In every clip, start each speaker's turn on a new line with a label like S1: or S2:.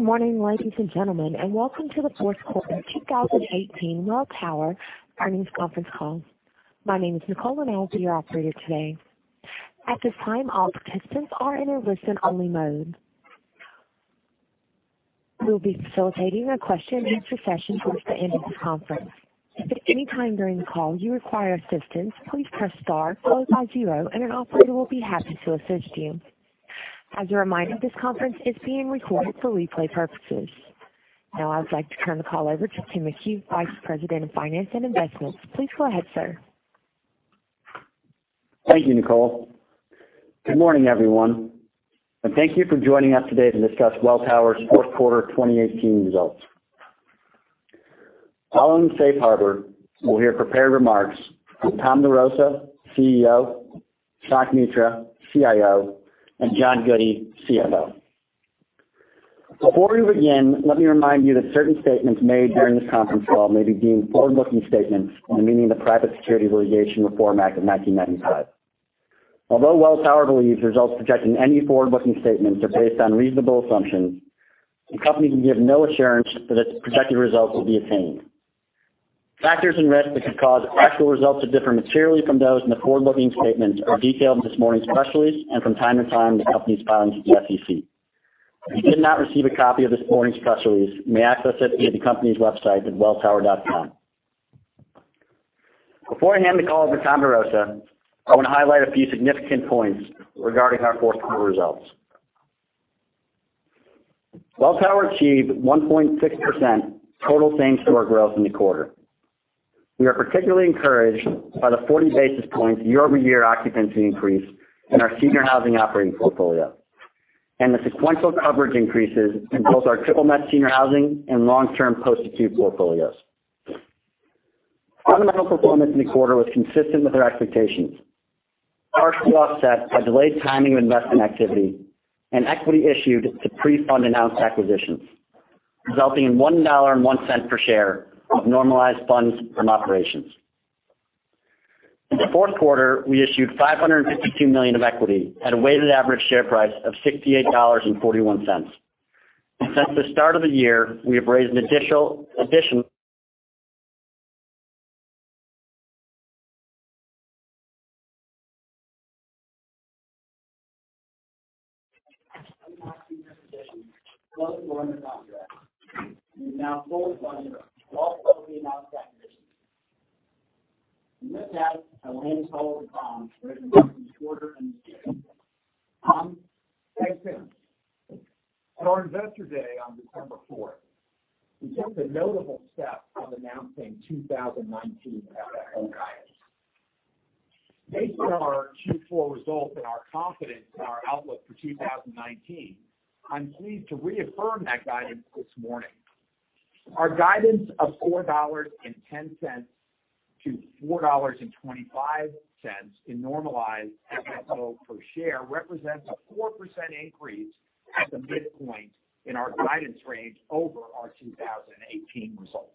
S1: Good morning, ladies and gentlemen, welcome to the fourth quarter 2018 Welltower earnings conference call. My name is Nicole, and I will be your operator today. At this time, all participants are in a listen-only mode. We will be facilitating your question and answer session towards the end of this conference. If at any time during the call you require assistance, please press star followed by zero, and an operator will be happy to assist you. As a reminder, this conference is being recorded for replay purposes. I would like to turn the call over to Tim McHugh, Vice President of Finance and Investments. Please go ahead, sir.
S2: Thank you, Nicole. Good morning, everyone, and thank you for joining us today to discuss Welltower's fourth quarter 2018 results. Following the safe harbor, we will hear prepared remarks from Tom DeRosa, CEO, Shankh Mitra, CIO, and John Burkart, CFO. Before we begin, let me remind you that certain statements made during this conference call may be deemed forward-looking statements on the meaning of the Private Securities Litigation Reform Act of 1995. Although Welltower believes results projecting any forward-looking statements are based on reasonable assumptions, the company can give no assurance that its projected results will be attained. Factors and risks that could cause actual results to differ materially from those in the forward-looking statements are detailed in this morning's press release and from time to time in the company's filings with the SEC. If you did not receive a copy of this morning's press release, you may access it via the company's website at welltower.com. Before I hand the call over to Tom DeRosa, I want to highlight a few significant points regarding our fourth quarter results. Welltower achieved 1.6% total same-store growth in the quarter. We are particularly encouraged by the 40 basis points year-over-year occupancy increase in our seniors housing operating portfolio, and the sequential coverage increases in both our triple-net senior housing and long-term post-acute portfolios. Fundamental performance in the quarter was consistent with our expectations, partially offset by delayed timing of investment activity and equity issued to pre-fund announced acquisitions, resulting in $1.1 per share of normalized funds from operations. In the fourth quarter, we issued $552 million of equity at a weighted average share price of $68.41. Since the start of the year, we have raised an additional acquisition closed during the contract. We have now fully funded all of the announced acquisitions. We looked at a landfill of bonds rated from quarter. Tom?
S3: Thanks, Tim. At our Investor Day on December 4th, we took the notable step of announcing 2019 FFO guidance. Based on our Q4 results and our confidence in our outlook for 2019, I am pleased to reaffirm that guidance this morning. Our guidance of $4.10 - $4.25 in normalized FFO per share represents a 4% increase at the midpoint in our guidance range over our 2018 results.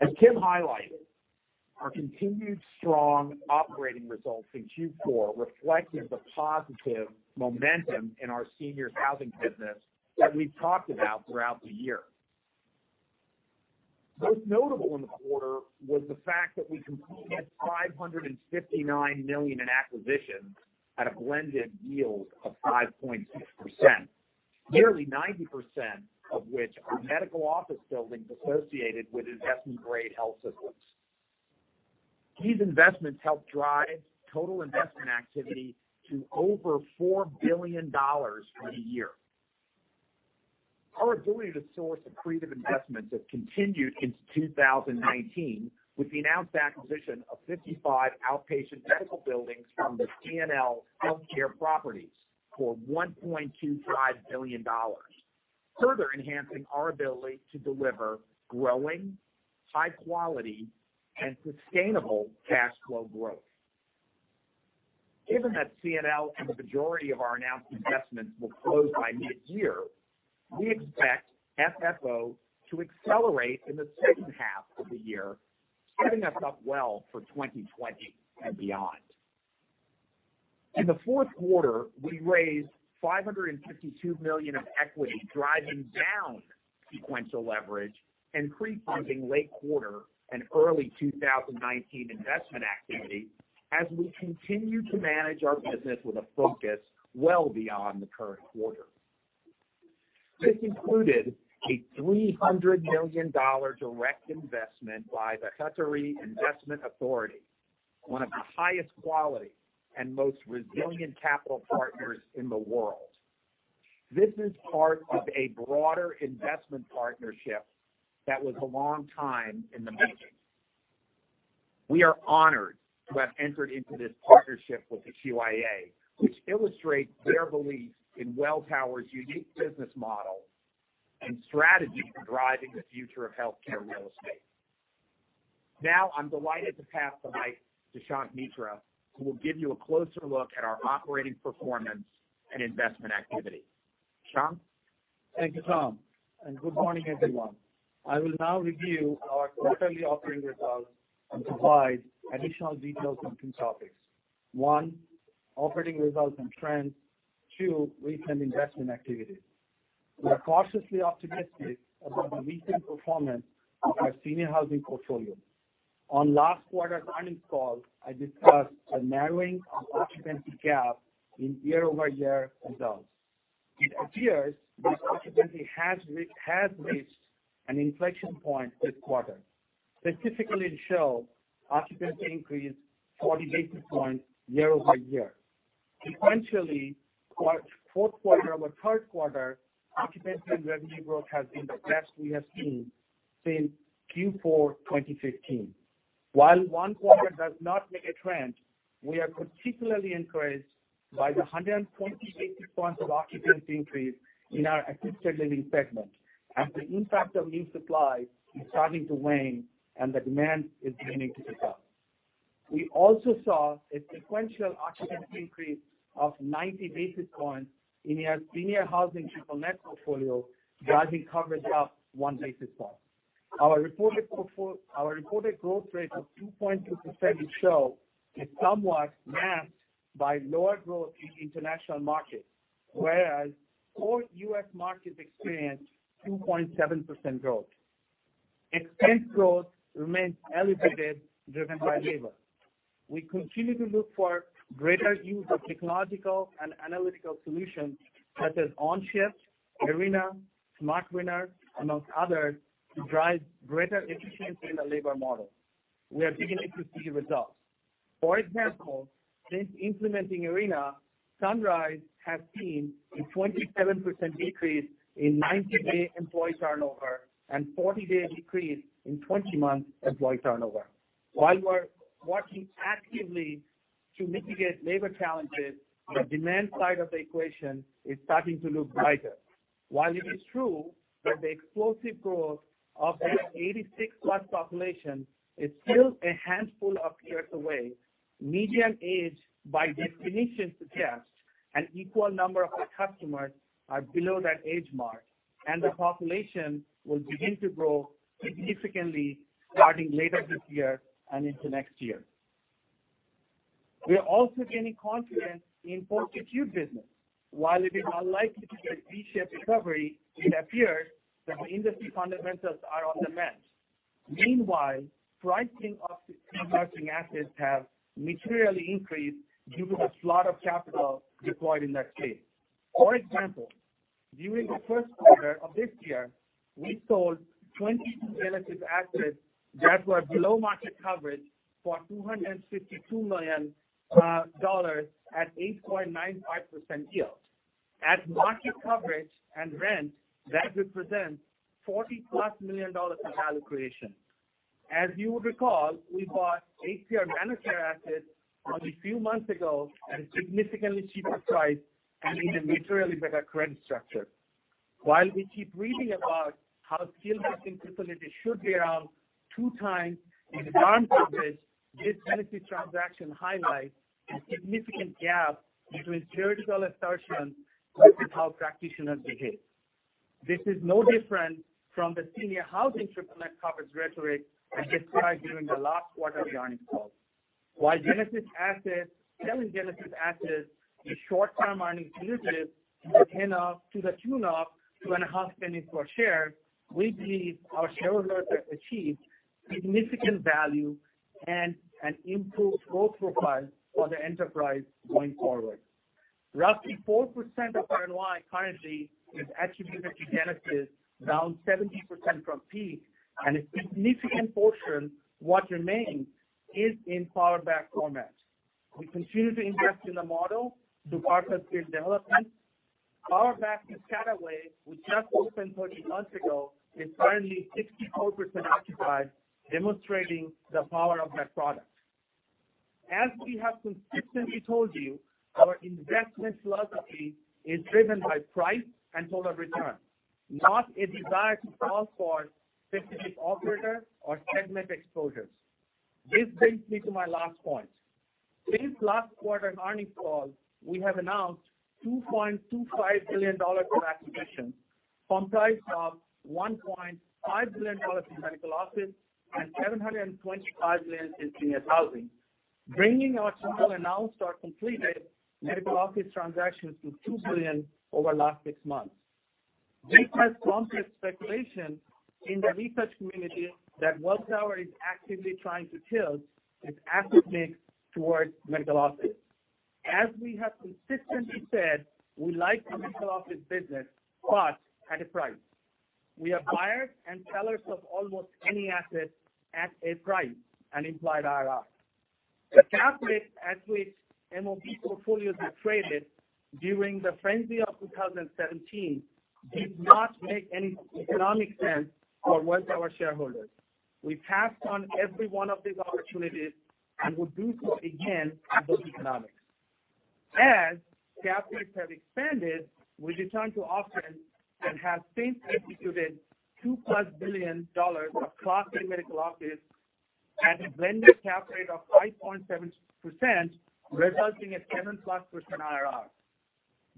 S3: As Tim highlighted, our continued strong operating results in Q4 reflected the positive momentum in our seniors housing business that we have talked about throughout the year. Most notable in the quarter was the fact that we completed $559 million in acquisitions at a blended yield of 5.6%, nearly 90% of which are medical office buildings associated with investment-grade health systems. These investments helped drive total investment activity to over $4 billion for the year. Our ability to source accretive investments have continued into 2019 with the announced acquisition of 55 outpatient medical buildings from the CNL Healthcare Properties for $1.25 billion, further enhancing our ability to deliver growing, high quality, and sustainable cash flow growth. Given that CNL and the majority of our announced investments will close by mid-year, we expect FFO to accelerate in the second half of the year, setting us up well for 2020 and beyond. In the fourth quarter, we raised $552 million of equity, driving down sequential leverage and pre-funding late quarter and early 2019 investment activity as we continue to manage our business with a focus well beyond the current quarter. This included a $300 million direct investment by the Qatar Investment Authority, one of the highest quality and most resilient capital partners in the world. This is part of a broader investment partnership that was a long time in the making. We are honored to have entered into this partnership with the QIA, which illustrates their belief in Welltower's unique business model and strategy for driving the future of healthcare real estate. Now, I am delighted to pass the mic to Shankh Mitra, who will give you a closer look at our operating performance and investment activity. Shankh?
S4: Thank you, Tom. Good morning, everyone. I will now review our quarterly operating results and provide additional details on two topics. Operating results and trends to recent investment activities. On last quarter earnings call, I discussed the narrowing of occupancy gap in year-over-year results. It appears this occupancy has reached an inflection point this quarter. Specifically, it shows occupancy increase 40 basis points year-over-year. Sequentially, fourth quarter over third quarter, occupancy and revenue growth has been the best we have seen since Q4 2015. While one quarter does not make a trend, we are particularly encouraged by the 120 basis points of occupancy increase in our assisted living segment as the impact of new supply is starting to wane and the demand is beginning to pick up. We also saw a sequential occupancy increase of 90 basis points in our senior housing triple-net portfolio, driving coverage up one basis point. Our reported growth rate of 2.2% it shows is somewhat masked by lower growth in international markets, whereas core U.S. markets experienced 2.7% growth. Expense growth remains elevated, driven by labor. We continue to look for greater use of technological and analytical solutions such as OnShift, Arena, SmartLinx, amongst others, to drive greater efficiency in the labor model. We are beginning to see results. For example, since implementing Arena, Sunrise has seen a 27% decrease in 90-day employee turnover and 40% decrease in 12-month employee turnover. While we're working actively to mitigate labor challenges, the demand side of the equation is starting to look brighter. While it is true that the explosive growth of the 86-plus population is still a handful of years away, median age by definition suggests an equal number of our customers are below that age mark, and the population will begin to grow significantly starting later this year and into next year. We are also gaining confidence in post-acute business. While it is unlikely to be a V-shaped recovery, it appears that the industry fundamentals are on the mend. Meanwhile, pricing of emerging assets have materially increased due to the flood of capital deployed in that space. For example, during the first quarter of this year, we sold 22 Genesis HealthCare assets that were below market coverage for $252 million at 8.95% yield. At market coverage and rent, that represents $40+ million in value creation. As you would recall, we bought ManorCare assets only a few months ago at a significantly cheaper price and with a materially better credit structure. While we keep reading about how skilled nursing facilities should be around two times EV/EBITDA, this Genesis HealthCare transaction highlights a significant gap between theoretical assertions versus how practitioners behave. This is no different from the senior housing triple-net coverage rhetoric I described during the last quarter earnings call. While selling Genesis HealthCare assets is short-term earnings negative to the tune of $0.025 per share, we believe our shareholders have achieved significant value and an improved growth profile for the enterprise going forward. Roughly 4% of our NOI currently is attributable to Genesis HealthCare, down 70% from peak, and a significant portion what remains is in payer-backed formats. We continue to invest in the model through partnership development. PowerBack in Ottawa, which just opened 13 months ago, is currently 64% occupied, demonstrating the power of that product. As we have consistently told you, our investment philosophy is driven by price and total return, not a desire to solve for specific operator or segment exposures. This brings me to my last point. Since last quarter earnings call, we have announced $2.25 billion of acquisitions, comprised of $1.5 billion in medical office and $725 million in senior housing, bringing our total announced or completed medical office transactions to $2 billion over the last six months. This has prompted speculation in the research community that Welltower is actively trying to tilt its asset mix towards medical office. As we have consistently said, we like the medical office business, but at a price. We are buyers and sellers of almost any asset at a price and implied IRR. The cap rates at which MOB portfolios were traded during the frenzy of 2017 did not make any economic sense for Welltower shareholders. We passed on every one of these opportunities and would do so again at those economics. As cap rates have expanded, we returned to office and have since executed $2+ billion of Class A medical office at a blended cap rate of 5.7%, resulting in 7%+ IRR.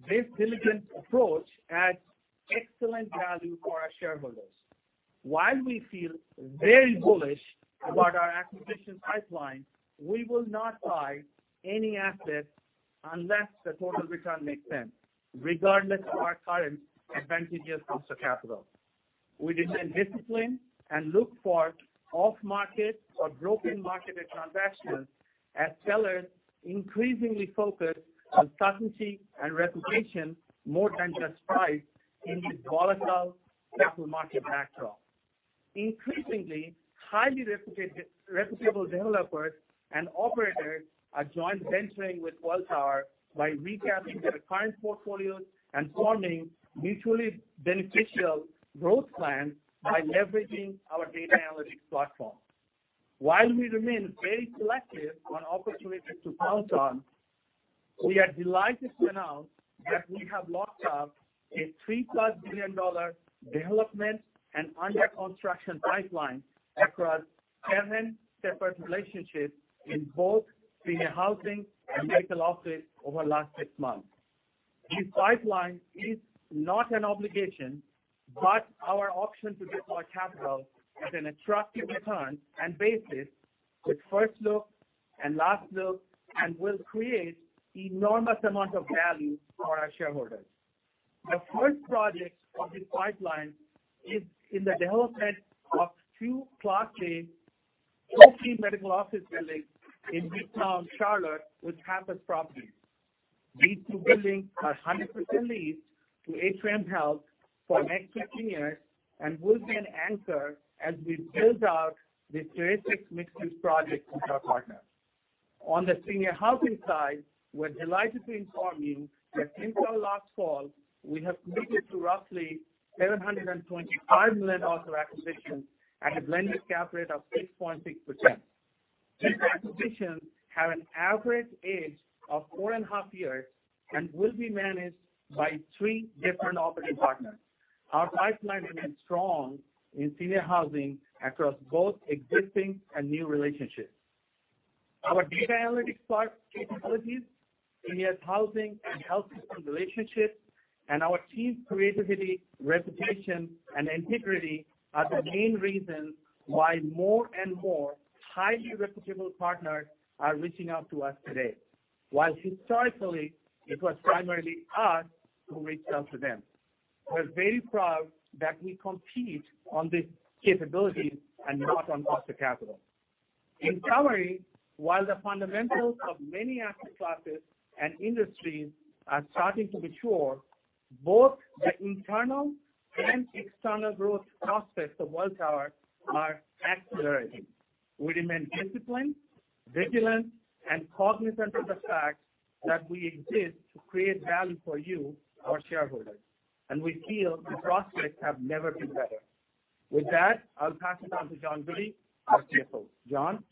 S4: This diligent approach adds excellent value for our shareholders. While we feel very bullish about our acquisition pipeline, we will not buy any assets unless the total return makes sense, regardless of our current advantages of the capital. We maintain discipline and look for off-market or broken marketed transactions as sellers increasingly focus on certainty and reputation more than just price in this volatile capital market backdrop. Increasingly, highly reputable developers and operators are joint venturing with Welltower by recapping their current portfolios and forming mutually beneficial growth plans by leveraging our data analytics platform. While we remain very selective on opportunities to pounce on, we are delighted to announce that we have locked up a $3+ billion development and under construction pipeline across seven separate relationships in both senior housing and medical office over the last six months. This pipeline is not an obligation, but our option to deploy capital with an attractive return and basis with first look and last look and will create enormous amount of value for our shareholders. The first project of this pipeline is in the development of two Class A multi-medical office buildings in Midtown Charlotte with Pappas Properties. These two buildings are 100% leased to Atrium Health for the next 15 years and will be an anchor as we build out this terrific mixed-use project with our partners. On the senior housing side, we're delighted to inform you that since our last fall, we have committed to roughly $725 million of acquisitions at a blended cap rate of 6.6%. These acquisitions have an average age of four and a half years and will be managed by three different operating partners. Our pipeline remains strong in senior housing across both existing and new relationships. Our data analytics platform capabilities, senior housing and health system relationships, and our team's creativity, reputation, and integrity are the main reasons why more and more highly reputable partners are reaching out to us today. While historically, it was primarily us who reached out to them. We're very proud that we compete on these capabilities and not on cost of capital. In summary, while the fundamentals of many asset classes and industries are starting to mature, both the internal and external growth prospects of Welltower are accelerating. We remain disciplined, vigilant, and cognizant of the fact that we exist to create value for you, our shareholders. We feel the prospects have never been better. With that, I'll pass it on to John Burkart, our CFO. John?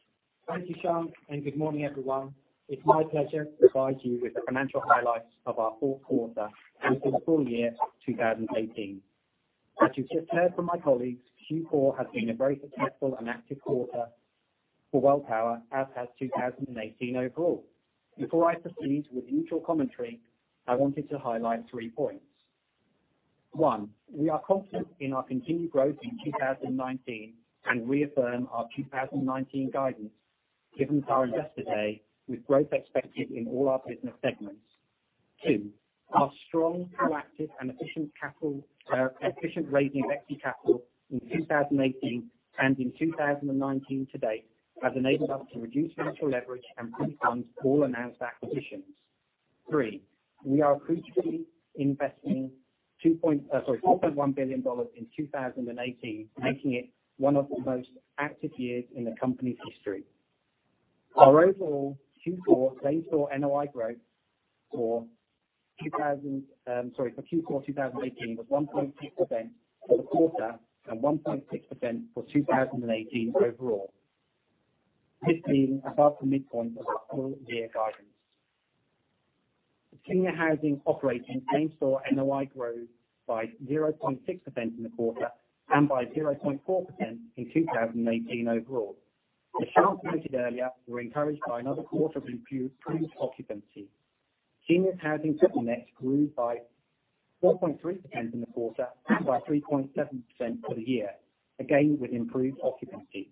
S5: Thank you, Shankh, and good morning, everyone. It's my pleasure to provide you with the financial highlights of our fourth quarter and for the full-year 2018. As you just heard from my colleagues, Q4 has been a very successful and active quarter for Welltower, as has 2018 overall. Before I proceed with the intro commentary, I wanted to highlight three points. One, we are confident in our continued growth in 2019 and reaffirm our 2019 guidance given to our investor day with growth expected in all our business segments. Two, our strong, proactive, and efficient raising of equity capital in 2018 and in 2019 to date has enabled us to reduce financial leverage and pre-fund all announced acquisitions. Three, we are actively investing $4.1 billion in 2018, making it one of the most active years in the company's history. Our overall Q4 same store NOI growth for Q4 2018 was 1.6% for the quarter and 1.6% for 2018 overall. This being above the midpoint of our full-year guidance. The seniors housing operating same store NOI growth by 0.6% in the quarter and by 0.4% in 2018 overall. As Shankh stated earlier, we're encouraged by another quarter of improved occupancy. Seniors housing triple-net grew by 4.3% in the quarter and by 3.7% for the year, again, with improved occupancy.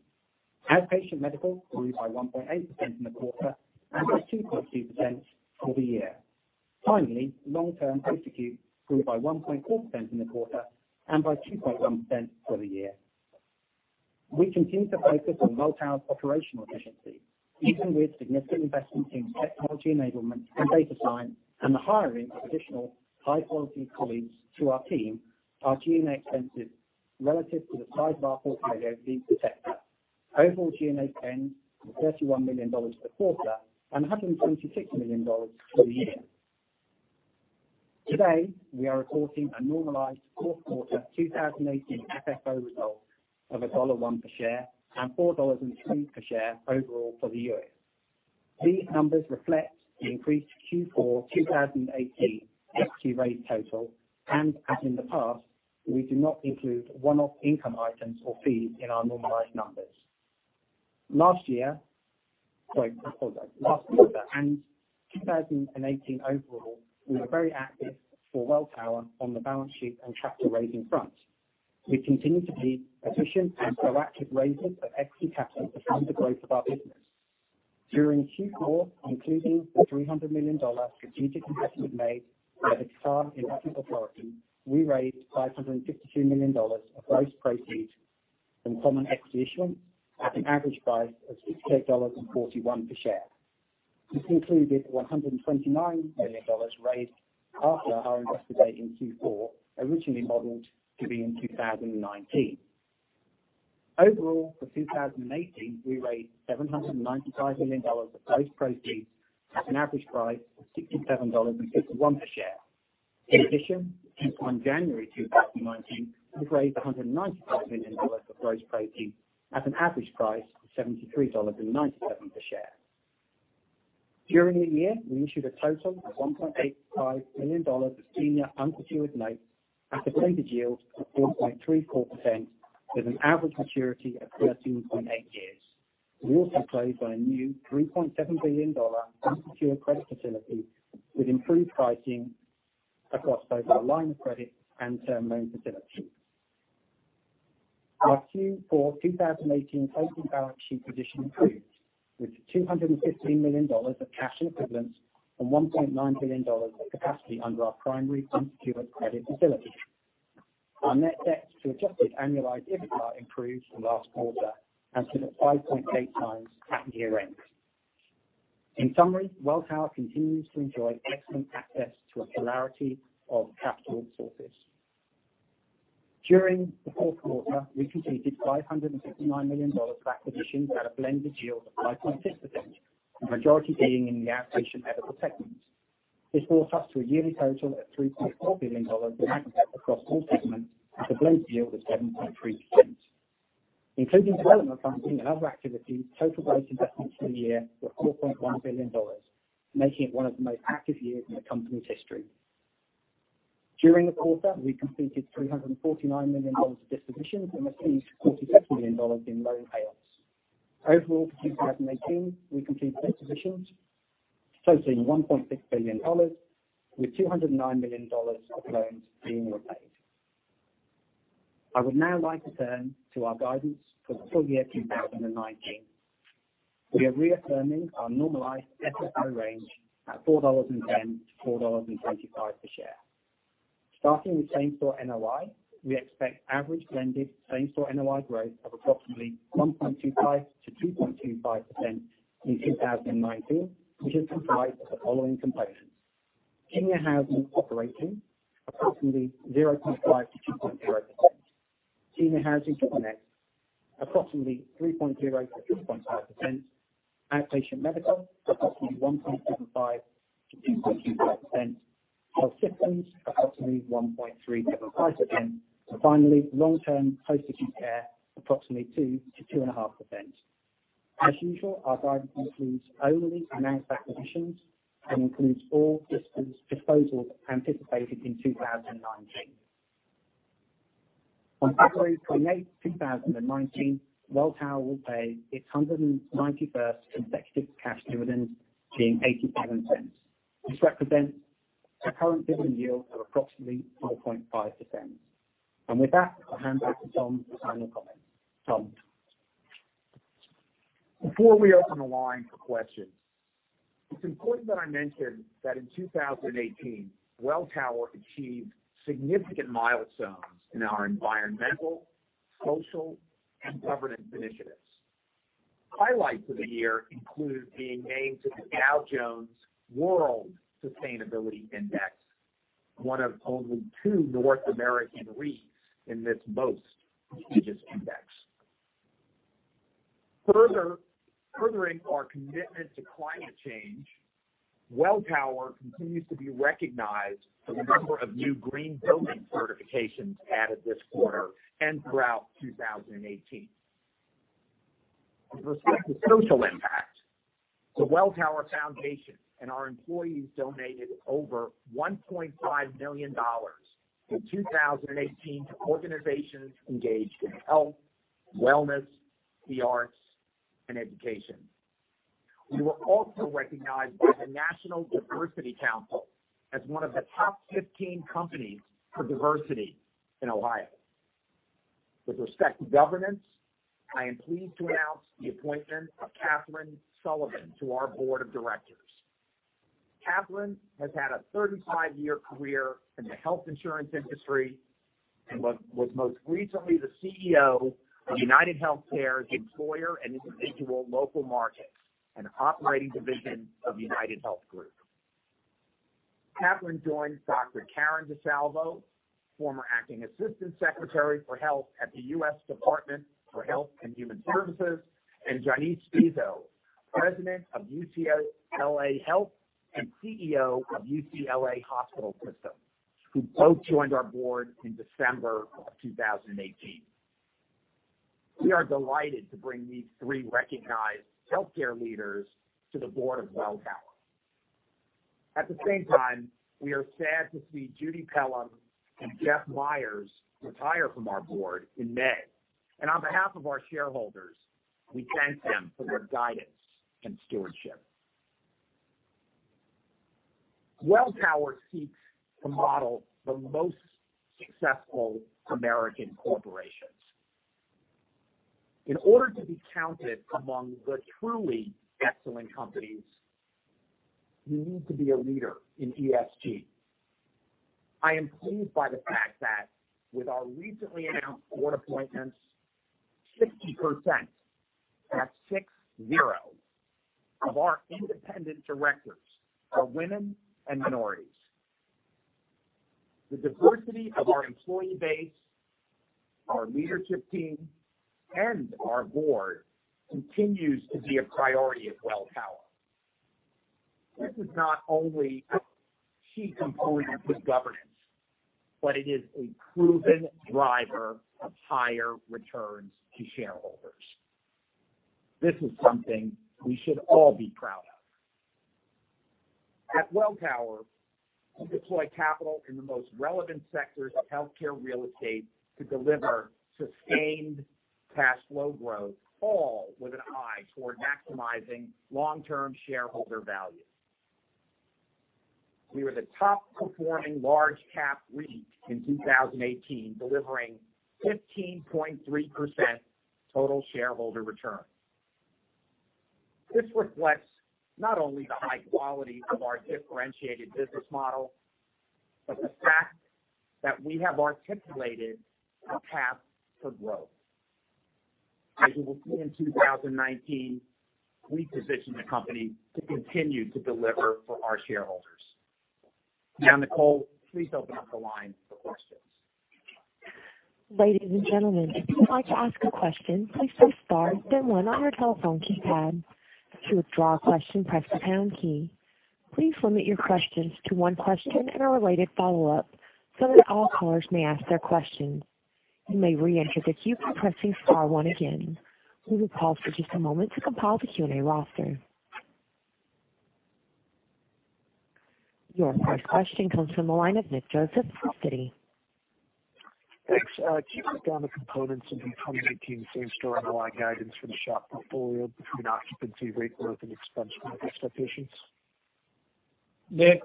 S5: Outpatient medical grew by 1.8% in the quarter and by 2.2% for the year. Finally, long-term post-acute grew by 1.4% in the quarter and by 2.1% for the year. We continue to focus on Welltower's operational efficiency, even with significant investment in technology enablement and data science and the hiring of additional high-quality colleagues to our team, our G&A expenses relative to the size of our portfolio remain protected. Overall G&A spend was $31 million for the quarter and $126 million for the year. Today, we are reporting a normalized fourth quarter 2018 FFO result of $1.1 per share and $4.2 per share overall for the U.S. These numbers reflect the increased Q4 2018 equity raise total, and as in the past, we do not include one-off income items or fees in our normalized numbers. Last quarter and 2018 overall, we were very active for Welltower on the balance sheet and capital raising front. We continue to be efficient and proactive raisers of equity capital to fund the growth of our business. During Q4, including the $300 million strategic investment made by the Qatar Investment Authority, we raised $552 million of gross proceeds from common equity issuance at an average price of $68.41 per share. This included $129 million raised after our investment date in Q4, originally modeled to be in 2019. Overall, for 2018, we raised $795 million of gross proceeds at an average price of $67.61 per share. In addition, since on January 2019, we've raised $195 million of gross proceeds at an average price of $73.97 per share. During the year, we issued a total of $1.85 billion of senior unsecured notes at a weighted yield of 4.34% with an average maturity of 13.8 years. We also closed on a new $3.7 billion unsecured credit facility with improved pricing across both our line of credit and term loan facility. Our Q4 2018 total balance sheet position improved with $215 million of cash equivalents and $1.9 billion of capacity under our primary unsecured credit facility. Our net debt to adjusted annualized EBITDA improved from last quarter and stood at 5.8X at year-end. In summary, Welltower continues to enjoy excellent access to a plethora of capital sources. During the fourth quarter, we completed $559 million of acquisitions at a blended yield of 5.6%, the majority being in the outpatient medical segment. This brought us to a yearly total of $3.4 billion in asset across all segments at a blended yield of 7.3%. Including development funding and other activities, total gross investments for the year were $4.1 billion, making it one of the most active years in the company's history. During the quarter, we completed $349 million of dispositions and received $47 million in loan payoffs. Overall, for 2018, we completed dispositions totaling $1.6 billion, with $209 million of loans being repaid. I would now like to turn to our guidance for the full-year 2019. We are reaffirming our normalized FFO range at $4.10-$4.25 per share. Starting with same store NOI, we expect average blended same-store NOI growth of approximately 1.25%-2.25% in 2019, which is comprised of the following components. Seniors Housing Operating, approximately 0.5%-2.0%. Senior Housing Connect, approximately 3.0%-3.5%. Outpatient Medical, approximately 1.75%-2.25%. Health Systems, approximately 1.375%. Finally, Long-Term Post-Acute Care, approximately 2%-2.5%. As usual, our guidance includes only announced acquisitions and includes all disposals anticipated in 2019. On February 28th, 2019, Welltower will pay its 191st consecutive cash dividend being $0.87. This represents a current dividend yield of approximately 4.5%. With that, I'll hand back to Tom for final comments. Tom?
S3: Before we open the line for questions, it's important that I mention that in 2018, Welltower achieved significant milestones in our environmental, social, and governance initiatives. Highlights of the year include being named to the Dow Jones Sustainability World Index, one of only two North American REITs in this most prestigious index. Furthering our commitment to climate change, Welltower continues to be recognized for the number of new green building certifications added this quarter and throughout 2018. With respect to social impact, the Welltower Foundation and our employees donated over $1.5 million in 2018 to organizations engaged in health, wellness, the arts, and education. We were also recognized by the National Diversity Council as one of the top 15 companies for diversity in Ohio. With respect to governance, I am pleased to announce the appointment of Kathryn Sullivan to our Board of Directors. Kathryn has had a 35-year career in the health insurance industry and was most recently the CEO of UnitedHealthcare's Employer and Individual Local Markets, an operating division of UnitedHealth Group. Kathryn joins Dr. Karen DeSalvo, former Acting Assistant Secretary for Health at the U.S. Department of Health and Human Services, and Johnese Spisso, President of UCLA Health and CEO of UCLA Hospital System, who both joined our board in December of 2018. We are delighted to bring these three recognized healthcare leaders to the board of Welltower. At the same time, we are sad to see Judith Pelham and Geoffrey Meyers retire from our board in May. On behalf of our shareholders, we thank them for their guidance and stewardship. Welltower seeks to model the most successful American corporations. In order to be counted among the truly excellent companies, you need to be a leader in ESG. I am pleased by the fact that with our recently announced board appointments, 60%, that's 60, of our independent directors are women and minorities. The diversity of our employee base, our leadership team, and our board continues to be a priority at Welltower. This is not only a key component of good governance, but it is a proven driver of higher returns to shareholders. This is something we should all be proud of. At Welltower, we deploy capital in the most relevant sectors of healthcare real estate to deliver sustained cash flow growth, all with an eye toward maximizing long-term shareholder value. We were the top performing large cap REIT in 2018, delivering 15.3% total shareholder return. This reflects not only the high quality of our differentiated business model, but the fact that we have articulated a path to growth. As you will see in 2019, we positioned the company to continue to deliver for our shareholders. Nicole, please open up the line for questions.
S1: Ladies and gentlemen, if you would like to ask a question, please press star then one on your telephone keypad. To withdraw a question, press the pound key. Please limit your questions to one question and a related follow-up so that all callers may ask their questions. You may re-enter the queue by pressing star one again. We will pause for just a moment to compile the Q&A roster. Your first question comes from the line of Nicholas Joseph from Citi.
S6: Thanks. Can you break down the components of the 2019 same-store NOI guidance for the SHOP portfolio between occupancy, rent growth, and expense growth expectations?
S4: Nick,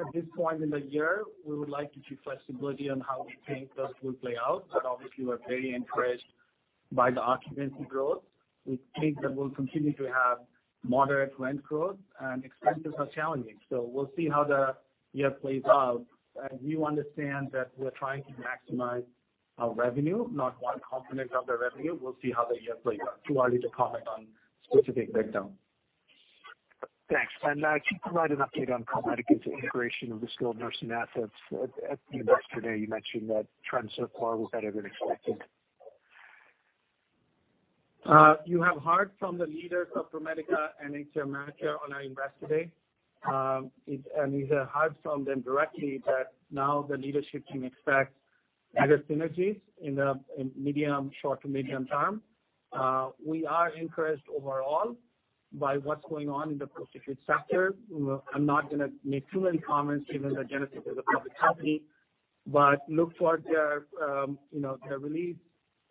S4: at this point in the year, we would like to keep flexibility on how we think those will play out. Obviously, we're very encouraged by the occupancy growth. We think that we'll continue to have moderate rent growth and expenses are challenging. We'll see how the year plays out. As you understand that we're trying to maximize our revenue, not one component of the revenue. We'll see how the year plays out. Too early to comment on specific breakdown.
S6: Thanks. Can you provide an update on ProMedica's integration of the skilled nursing assets? At the Investor Day, you mentioned that trends so far were better than expected.
S4: You have heard from the leaders of ProMedica and HCR ManorCare on our Investor Day. You heard from them directly that now the leadership team expects better synergies in short to medium-term. We are encouraged overall by what's going on in the post-acute sector. I'm not going to make too many comments given the Genesis as a public company, but look for their release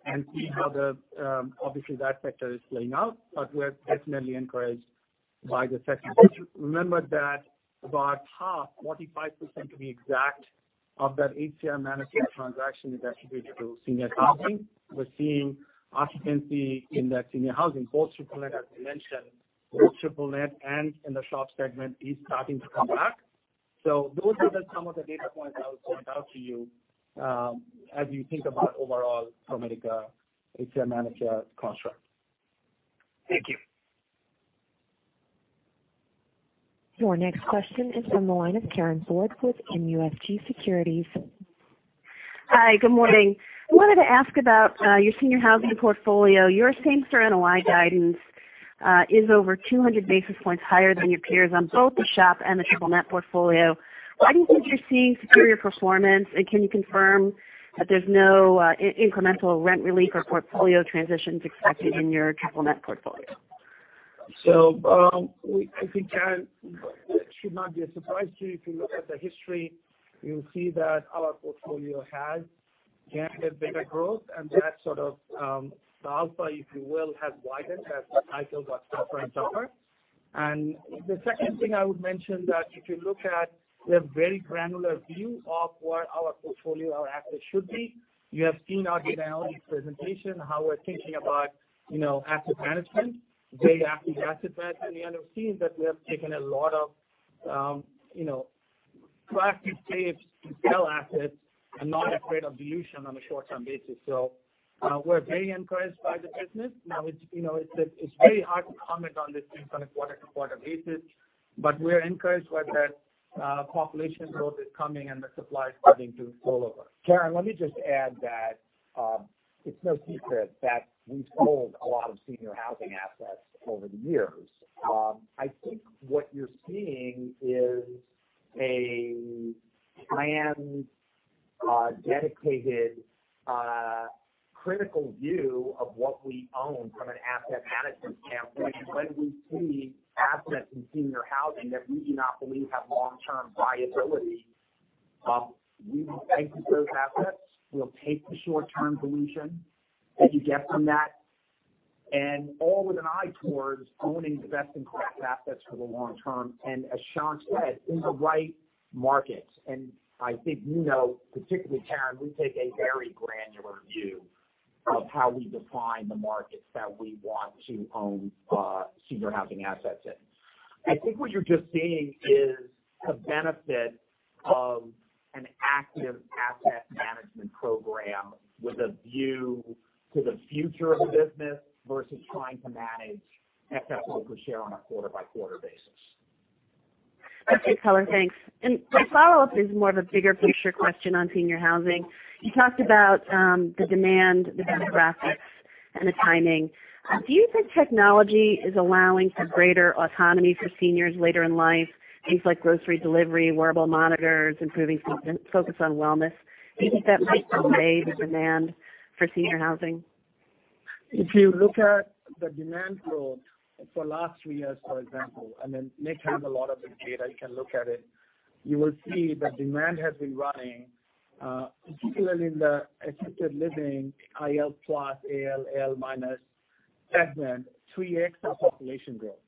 S4: and see obviously that sector is playing out, but we're definitely encouraged by the sector. Remember that about half, 45% to be exact, of that HCR ManorCare transaction is attributable to senior housing. We're seeing occupancy in that senior housing, both triple-net, as we mentioned, both triple-net and in the SHOP segment is starting to come back. Those are some of the data points I would point out to you as you think about overall ProMedica HCR ManorCare construct.
S6: Thank you.
S1: Your next question is from the line of Karin Ford with MUFG Securities.
S7: Hi, good morning. I wanted to ask about your seniors housing portfolio. Your same-store NOI guidance is over 200 basis points higher than your peers on both the SHOP and the triple-net portfolio. Why do you think you're seeing superior performance? Can you confirm that there's no incremental rent re-lease or portfolio transitions expected in your triple-net portfolio?
S4: I think, Karin, it should not be a surprise to you. If you look at the history, you'll see that our portfolio has generated better growth, and that sort of the alpha, if you will, has widened as the cycle got tougher and tougher. The second thing I would mention that if you look at the very granular view of what our portfolio, our assets should be. You have seen our detailed presentation, how we're thinking about asset management, very active asset management. You would have seen that we have taken a lot of proactive steps to sell assets and not afraid of dilution on a short-term basis. We're very encouraged by the business. Now, it's very hard to comment on this thing on a quarter-to-quarter basis, but we're encouraged by that population growth is coming and the supply is starting to roll over.
S3: Karen, let me just add that it's no secret that we've sold a lot of senior housing assets over the years. I think what you're seeing is a planned, dedicated critical view of what we own from an asset management standpoint. When we see assets in senior housing that we do not believe have long-term viability, we will exit those assets. We will take the short-term dilution that you get from that, and all with an eye towards owning the best-in-class assets for the long-term, and as Shankh said, in the right markets. I think you know, particularly Karin, we take a very granular view of how we define the markets that we want to own senior housing assets in. I think what you're just seeing is the benefit of an active asset management program with a view to the future of the business versus trying to manage FFO per share on a quarter-by-quarter basis.
S7: Okay, Karin. Thanks. My follow-up is more of a bigger picture question on senior housing. You talked about the demand, the demographics, and the timing. Do you think technology is allowing for greater autonomy for seniors later in life, things like grocery delivery, wearable monitors, improving focus on wellness? Do you think that might delay the demand for senior housing?
S4: If you look at the demand growth for the last three years, for example, Nick has a lot of the data, you can look at it, you will see that demand has been running, particularly in the assisted living, IL plus, AL, L minus segment, 3x of population growth.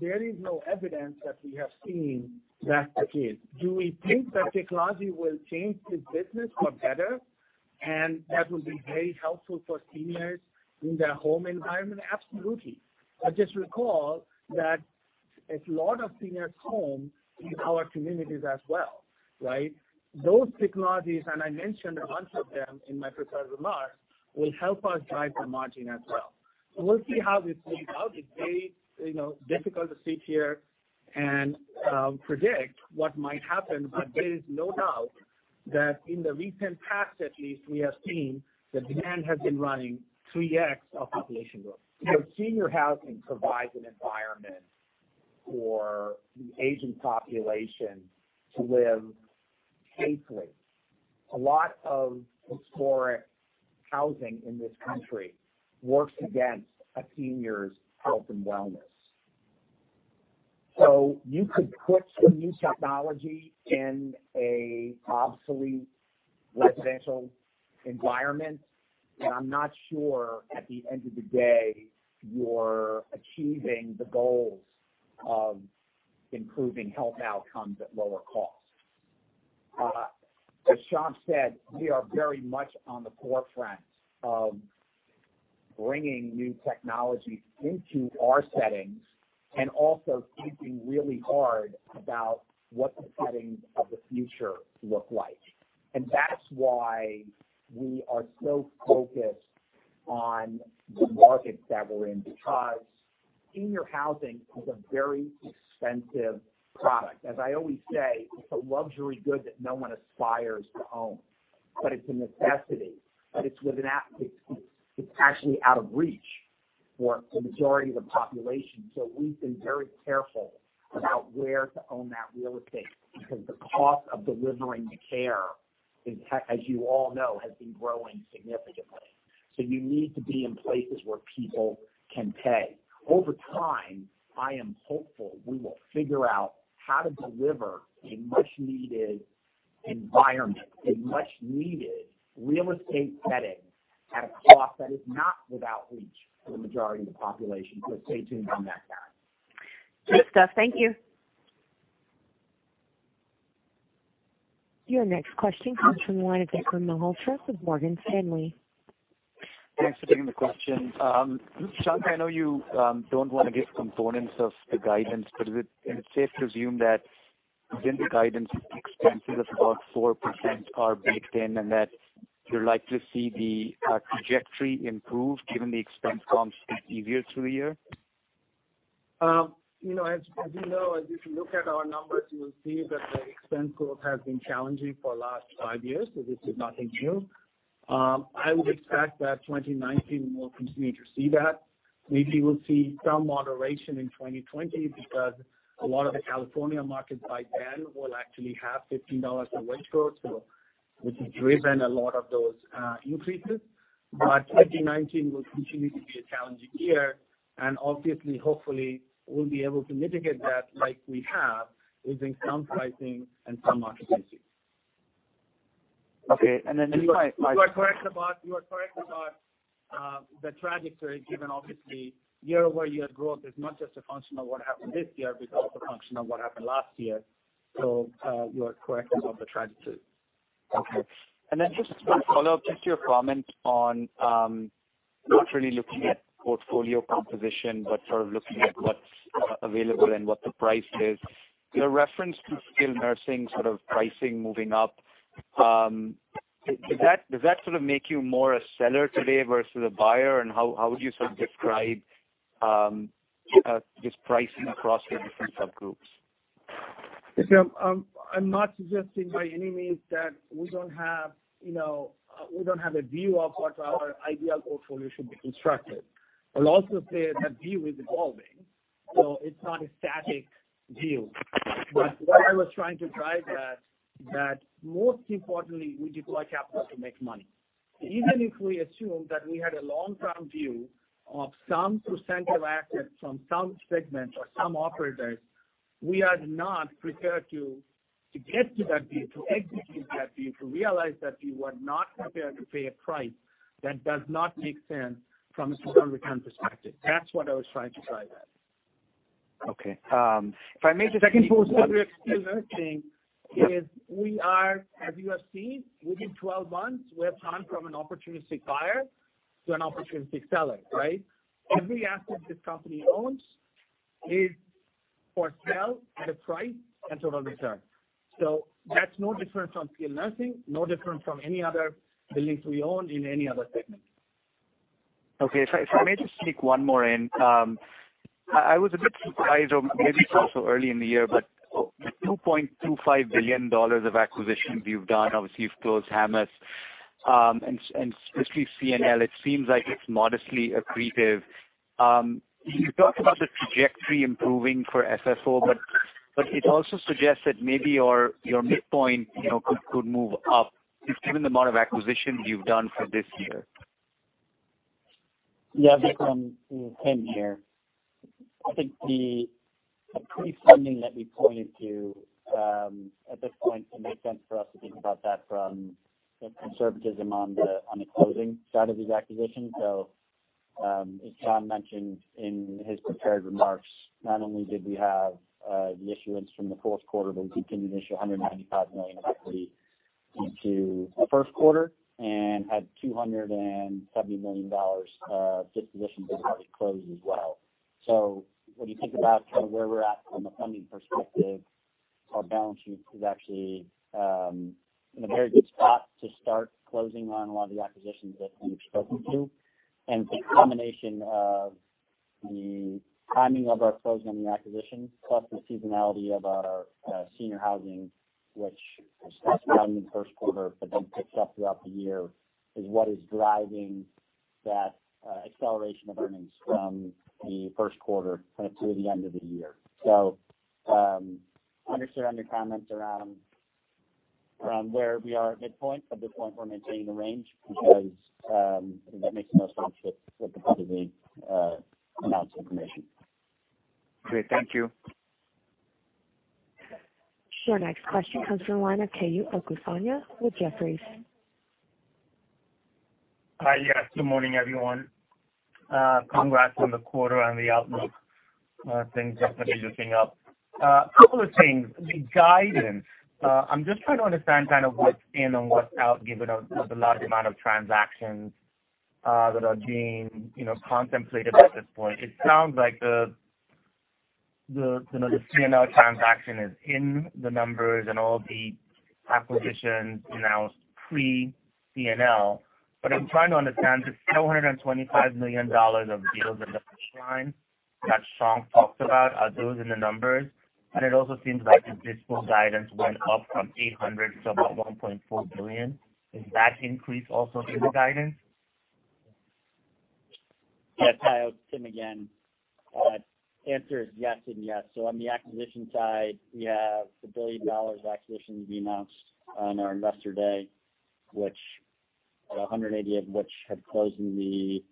S4: There is no evidence that we have seen that's the case. Do we think that technology will change the business for the better, and that will be very helpful for seniors in their home environment? Absolutely. Just recall that a lot of seniors home in our communities as well, right? Those technologies, and I mentioned a bunch of them in my prepared remarks, will help us drive the margin as well. We will see how this plays out. It's very difficult to sit here and predict what might happen, but there is no doubt that in the recent past at least, we have seen that demand has been running 3x of population growth.
S3: Senior housing provides an environment for the aging population to live safely. A lot of historic housing in this country works against a senior's health and wellness. You could put some new technology in an obsolete residential environment, and I'm not sure at the end of the day, you're achieving the goals of improving health outcomes at lower cost. As Shankh said, we are very much on the forefront of bringing new technology into our settings and also thinking really hard about what the settings of the future look like. That's why we are so focused on the markets that we're in, because senior housing is a very expensive product. As I always say, it's a luxury good that no one aspires to own, but it's a necessity, but it's actually out of reach for the majority of the population. We've been very careful about where to own that real estate because the cost of delivering the care, as you all know, has been growing significantly. You need to be in places where people can pay. Over time, I am hopeful we will figure out how to deliver a much-needed environment, a much-needed real estate setting at a cost that is not without reach for the majority of the population. Stay tuned on that front.
S7: Good stuff. Thank you.
S1: Your next question comes from the line of Vikram Malhotra with Morgan Stanley.
S8: Thanks for taking the question. Shankh, I know you don't want to give components of the guidance, but is it safe to assume that within the guidance, expenses of about 4% are baked in, and that you're likely to see the trajectory improve given the expense comps get easier through the year?
S4: As you know, as you look at our numbers, you will see that the expense growth has been challenging for the last five years. This is nothing new. I would expect that 2019 will continue to see that. Maybe we'll see some moderation in 2020 because a lot of the California markets by then will actually have $15 minimum wage, which has driven a lot of those increases. 2019 will continue to be a challenging year, and obviously, hopefully, we'll be able to mitigate that like we have using some pricing and some market mixing.
S8: Okay.
S4: You are correct about the trajectory, given obviously year-over-year growth is not just a function of what happened this year, but it's also a function of what happened last year. You are correct about the trajectory.
S8: Okay. Just a follow-up, just your comment on not really looking at portfolio composition, but sort of looking at what's available and what the price is. Your reference to skilled nursing sort of pricing moving up, does that sort of make you more a seller today versus a buyer? How would you sort of describe this pricing across the different subgroups?
S4: Vikram, I'm not suggesting by any means that we don't have a view of what our ideal portfolio should be constructed. I'll also say that view is evolving. It's not a static view.
S8: Right.
S4: What I was trying to drive at, that most importantly, we deploy capital to make money. Even if we assume that we had a long-term view of some percentage of assets from some segments or some operators, we are not prepared to get to that view, to execute that view, to realize that view. We're not prepared to pay a price that does not make sense from a total return perspective. That's what I was trying to drive at.
S8: Okay. If I may.
S4: The other thing is we are, as you have seen, within 12 months, we have gone from an opportunistic buyer to an opportunistic seller, right? Every asset this company owns is for sale at a price and total return. That's no different from skilled nursing, no different from any other buildings we own in any other segment.
S8: Okay. If I may just sneak one more in. I was a bit surprised, or maybe it's also early in the year, but with $2.25 billion of acquisitions you've done, obviously you've closed Hammes, and especially CNL, it seems like it's modestly accretive. You talked about the trajectory improving for SHO, but it also suggests that maybe your midpoint could move up, just given the amount of acquisitions you've done for this year.
S2: Yeah. This is Tim here. I think the prefunding that we pointed to at this point, it makes sense for us to think about that from the conservatism on the closing side of these acquisitions. As Shankh mentioned in his prepared remarks, not only did we have the issuance from the fourth quarter, but we continued to issue $195 million of equity into the first quarter and had $270 million of dispositions that have already closed as well. When you think about where we're at from a funding perspective, our balance sheet is actually in a very good spot to start closing on a lot of the acquisitions that we've spoken to. The combination of the timing of our close on the acquisitions, plus the seasonality of our senior housing, which is quite light in the first quarter but then picks up throughout the year, is what is driving that acceleration of earnings from the first quarter through the end of the year. I understand your comments around where we are at midpoint. At this point, we're maintaining the range because that makes the most sense with the publicly announced information.
S8: Great. Thank you.
S1: Your next question comes from the line of Omotayo Okusanya with Jefferies.
S9: Hi. Yes, good morning, everyone. Congrats on the quarter and the outlook. Things definitely looking up. A couple of things. The guidance, I'm just trying to understand what's in and what's out, given the large amount of transactions that are being contemplated at this point. It sounds like the CNL transaction is in the numbers and all the acquisitions announced pre-CNL. I'm trying to understand the $425 million of deals in the pipeline that Shankh talked about. Are those in the numbers? It also seems like the dispo guidance went up from $800 million to about $1.4 billion. Is that increase also in the guidance?
S2: Hi, Tim again. Answer is yes and yes. On the acquisition side, we have the $1 billion of acquisitions we announced on our investor day, $180 million of which had closed in the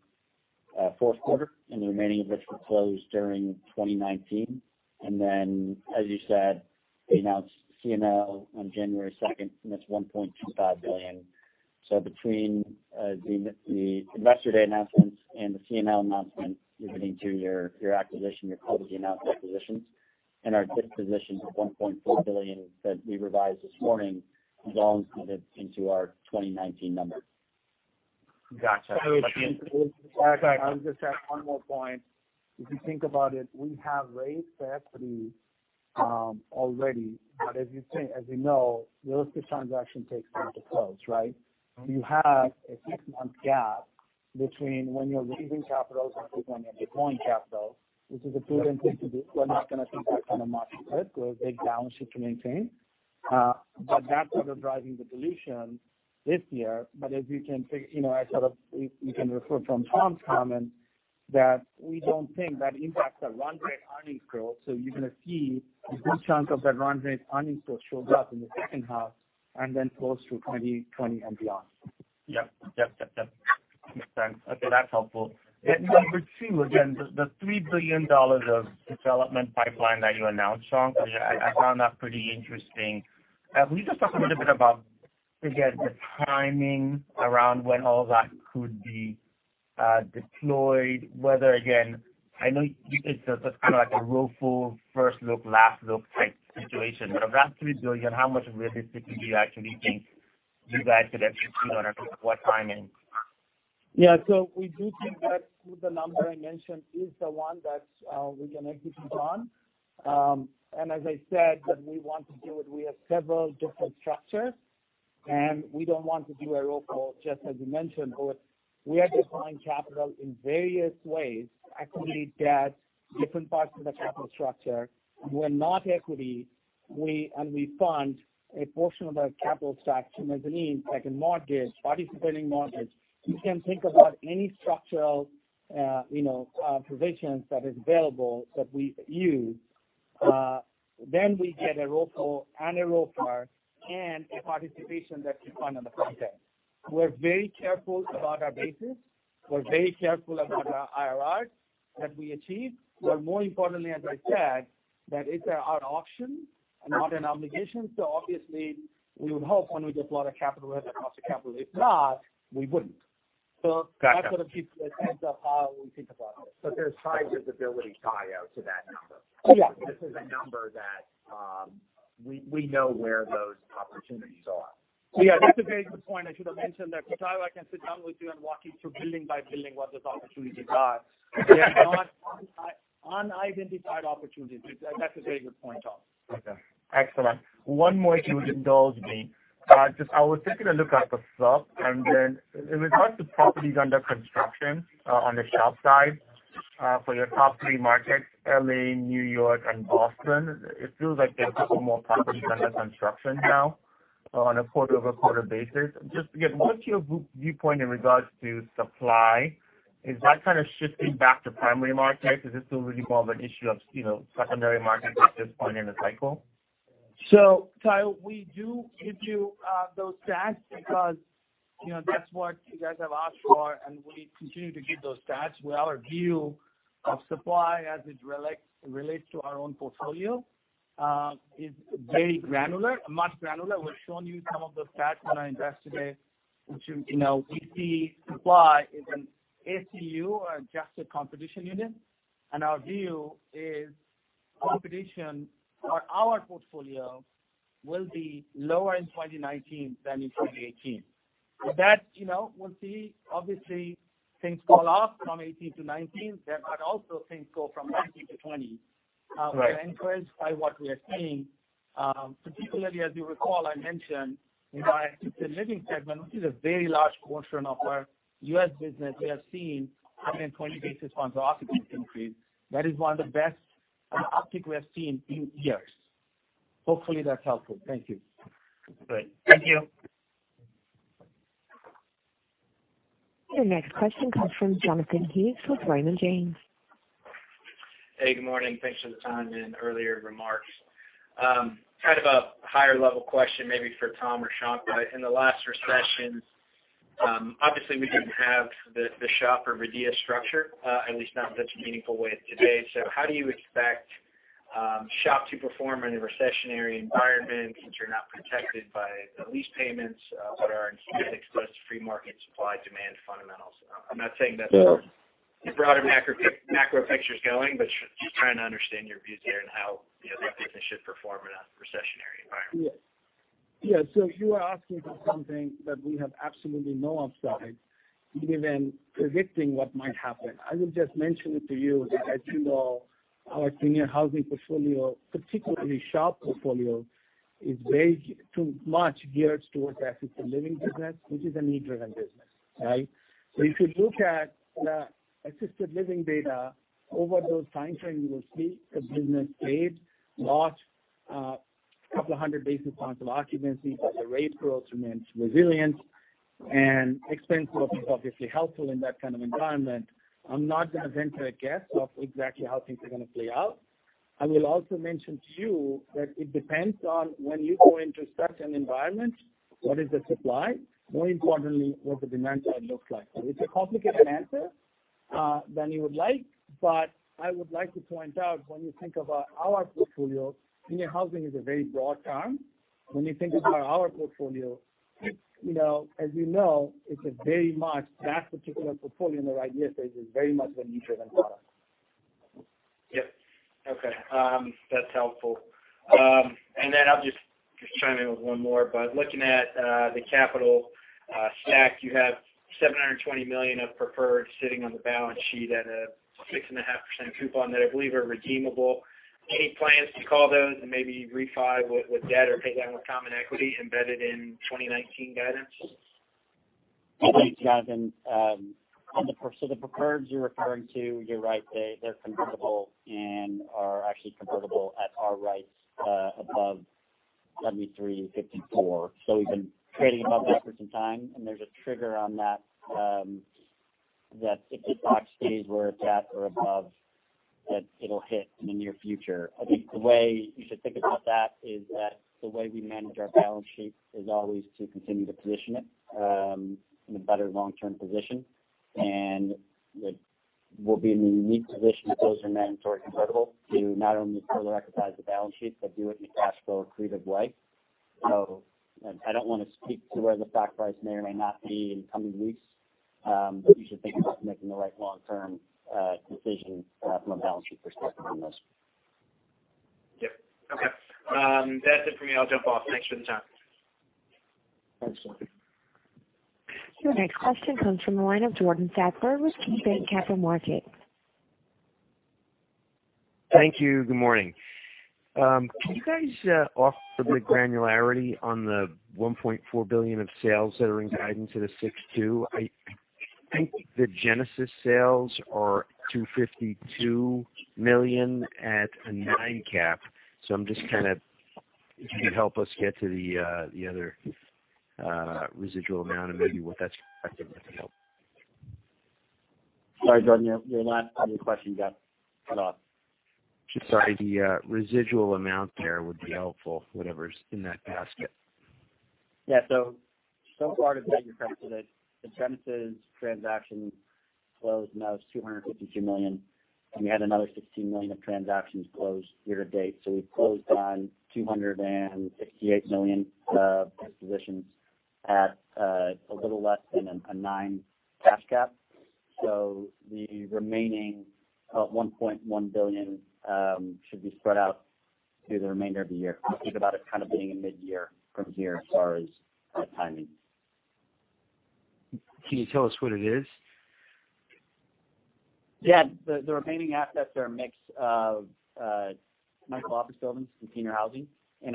S2: fourth quarter, and the remaining of which will close during 2019. As you said, we announced CNL on January 2nd, and that's $1.25 billion. Between the investor day announcements and the CNL announcement, you're getting to your acquisition, your publicly announced acquisitions, and our dispositions of $1.4 billion that we revised this morning is all included into our 2019 numbers.
S9: Gotcha.
S4: I would just add one more point. If you think about it, we have raised the equity already. As you know, real estate transaction takes time to close, right? You have a 6-month gap between when you're raising capital and deploying capital, which is a prudent thing to do. We're not going to take that kind of market risk with a big balance sheet to maintain. That's what is driving the dilution this year. As you can refer from Shankh's comment, that we don't think that impacts our run rate earnings growth. You're going to see a good chunk of that run rate earnings growth shows up in the second half and then close to 2020 and beyond.
S9: Yep. Makes sense. Okay, that's helpful. Number 2, again, the $3 billion of development pipeline that you announced, Shankh, I found that pretty interesting. Can you just talk a little bit about, again, the timing around when all that could be deployed? Again, I know it's kind of like a ROFO first look, last look type situation. Of that $3 billion, how much realistically do you actually think you guys could execute on, and what timing?
S4: We do think that the number I mentioned is the one that we can execute on. As I said, when we want to do it, we have several different structures, and we don't want to do a ROFO, just as you mentioned. We are deploying capital in various ways, equity, debt, different parts of the capital structure. We fund a portion of our capital stack to mezzanine, second mortgage, participating mortgage. You can think about any structural provisions that is available that we use. We get a ROFO and a ROFR and a participation that we fund on the front end. We're very careful about our basis. We're very careful about our IRRs that we achieve. More importantly, as I said, that it's our option and not an obligation. Obviously, we would hope when we deploy the capital that it costs a capital. If not, we wouldn't.
S9: Got it.
S4: That sort of gives a sense of how we think about it.
S3: There's high visibility, Omotayo, to that number.
S4: Oh, yeah.
S2: This is a number that we know where those opportunities are.
S4: Yeah. That's a very good point. I should have mentioned that. Omotayo, I can sit down with you and walk you through building by building what those opportunities are. They are not unidentified opportunities. That's a very good point, Tom.
S10: Okay. Excellent. One more if you would indulge me. I was taking a look at the SHOP, and then in regards to properties under construction on the SHOP side for your top three markets, L.A., New York and Boston, it feels like there's a couple more properties under construction now on a quarter-over-quarter basis. Again, what's your viewpoint in regards to supply? Is that kind of shifting back to primary markets? Is this still really more of an issue of secondary markets at this point in the cycle?
S4: Tayo, we do give you those stats because that's what you guys have asked for, and we continue to give those stats with our view of supply as it relates to our own portfolio is very granular. We've shown you some of those stats when I invested it, which we see supply is an ACU or adjusted competition unit. Our view is competition on our portfolio will be lower in 2019 than in 2018. With that we'll see. Obviously, things fall off from 2018 -2019. Also things go from 2019 - 2020. Right. We're encouraged by what we are seeing. Particularly as you recall, I mentioned in our assisted living segment, which is a very large portion of our U.S. business, we have seen 120 basis points of occupancy increase. That is one of the best uptick we have seen in years. Hopefully, that's helpful. Thank you.
S9: Great. Thank you.
S1: The next question comes from Jonathan Hughes with Raymond James.
S11: Hey, good morning. Thanks for the time and earlier remarks. Kind of a higher level question maybe for Tom or Shankh. In the last recession, obviously we didn't have the SHOP or RIDEA structure, at least not in such a meaningful way as today. How do you expect SHOP to perform in a recessionary environment since you're not protected by the lease payments? What are in statistics plus free market supply, demand fundamentals? I'm not saying that the broader macro picture's going, but just trying to understand your views here and how you think they should perform in a recessionary environment.
S4: Yes. You are asking for something that we have absolutely no upside, even predicting what might happen. I will just mention it to you that as you know, our senior housing portfolio, particularly SHOP portfolio, is very too much geared towards the assisted living business, which is a need-driven business. Right? If you look at the assisted living data over those time frames, you will see the business stayed, lost a couple of 100 basis points of occupancy, but the rate growth remains resilient. Expense growth is obviously helpful in that kind of environment. I'm not going to venture a guess of exactly how things are going to play out. I will also mention to you that it depends on when you go into such an environment, what is the supply, more importantly, what the demand side looks like. It's a complicated answer than you would like. I would like to point out when you think about our portfolio, senior housing is a very broad term. When you think about our portfolio, as you know, it's a very much that particular portfolio in the right stage is very much a need-driven product.
S11: Yep. Okay. That's helpful. I'll just chime in with one more. Looking at the capital stack, you have $720 million of preferred sitting on the balance sheet at a 6.5% coupon that I believe are redeemable. Any plans to call those and maybe refi with debt or pay down with common equity embedded in 2019 guidance?
S2: The preferreds you're referring to, you're right, they're convertible and are actually convertible at our rights above $73.54. There's a trigger on that if the stock stays where it's at or above, that it'll hit in the near future. I think the way you should think about that is that the way we manage our balance sheet is always to continue to position it in a better long-term position. We'll be in a unique position if those are mandatory convertible to not only fully recognize the balance sheet, but do it in a cash flow accretive way. I don't want to speak to where the stock price may or may not be in coming weeks, but you should think about making the right long-term decisions from a balance sheet perspective on this.
S11: Yep. Okay. That's it for me. I'll jump off. Thanks for the time.
S4: Thanks.
S1: Your next question comes from the line of Jordan Sadler with KeyBanc Capital Markets.
S12: Thank you. Good morning. Can you guys offer a bit of granularity on the $1.4 billion of sales that are in guidance for the 6/2? I think the Genesis sales are $252 million at a 9 cap. I'm just kind of If you could help us get to the other residual amount and maybe what that's affecting, that would help.
S2: Sorry, Jordan, your last part of your question got cut off.
S12: Sorry. The residual amount there would be helpful, whatever's in that basket.
S2: So far to set your precedent, the Genesis transaction closed and that was $252 million, and we had another $16 million of transactions closed year to date. We've closed on $268 million dispositions at a little less than a 9 cap. The remaining $1.1 billion should be spread out through the remainder of the year. Think about it kind of being a mid-year from here as far as timing.
S12: Can you tell us what it is?
S2: Yeah. The remaining assets are a mix of micro office buildings and senior housing.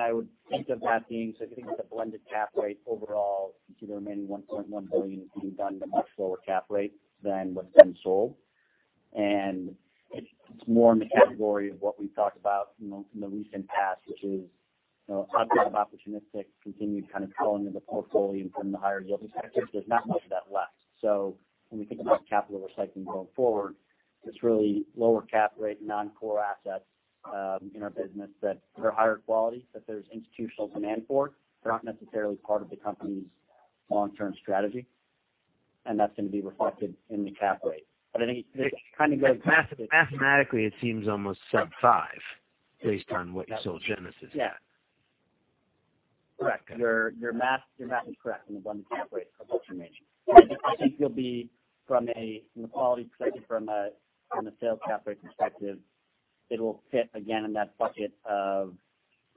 S2: I would think of that being, so I think it's a blended cap rate overall to the remaining $1.1 billion is being done at a much lower cap rate than what's been sold. It's more in the category of what we've talked about in the recent past, which is, objects of opportunistic continued kind of culling of the portfolio and from the higher yield perspective, there's not much of that left. When we think about capital recycling going forward, it's really lower cap rate non-core assets in our business that they're higher quality, that there's institutional demand for. They're not necessarily part of the company's long-term strategy, and that's going to be reflected in the cap rate. I think this kind of goes-
S12: Mathematically, it seems almost sub five based on what you sold Genesis.
S2: Yeah. Correct. Your math is correct on the blended cap rate of what's remaining. I think you'll be from a quality perspective, from a sales cap rate perspective, it'll fit again in that bucket of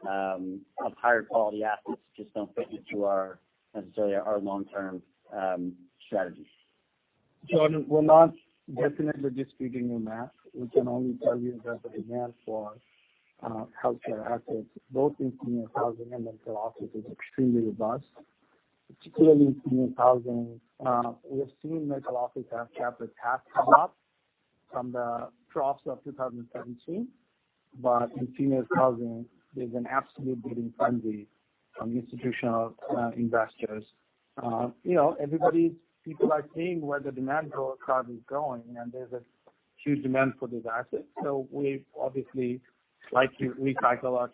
S2: higher quality assets just don't fit into our necessarily our long-term strategy.
S4: Jordan, we're not definitely disputing your math. We can only tell you that the demand for healthcare assets, both in senior housing and in for office is extremely robust, particularly senior housing. We have seen medical office asset cap rates have come up from the troughs of 2017. In senior housing, there's an absolute bidding frenzy from institutional investors. Everybody, people are seeing where the demand curve is going, and there's a huge demand for these assets. We obviously like to recycle our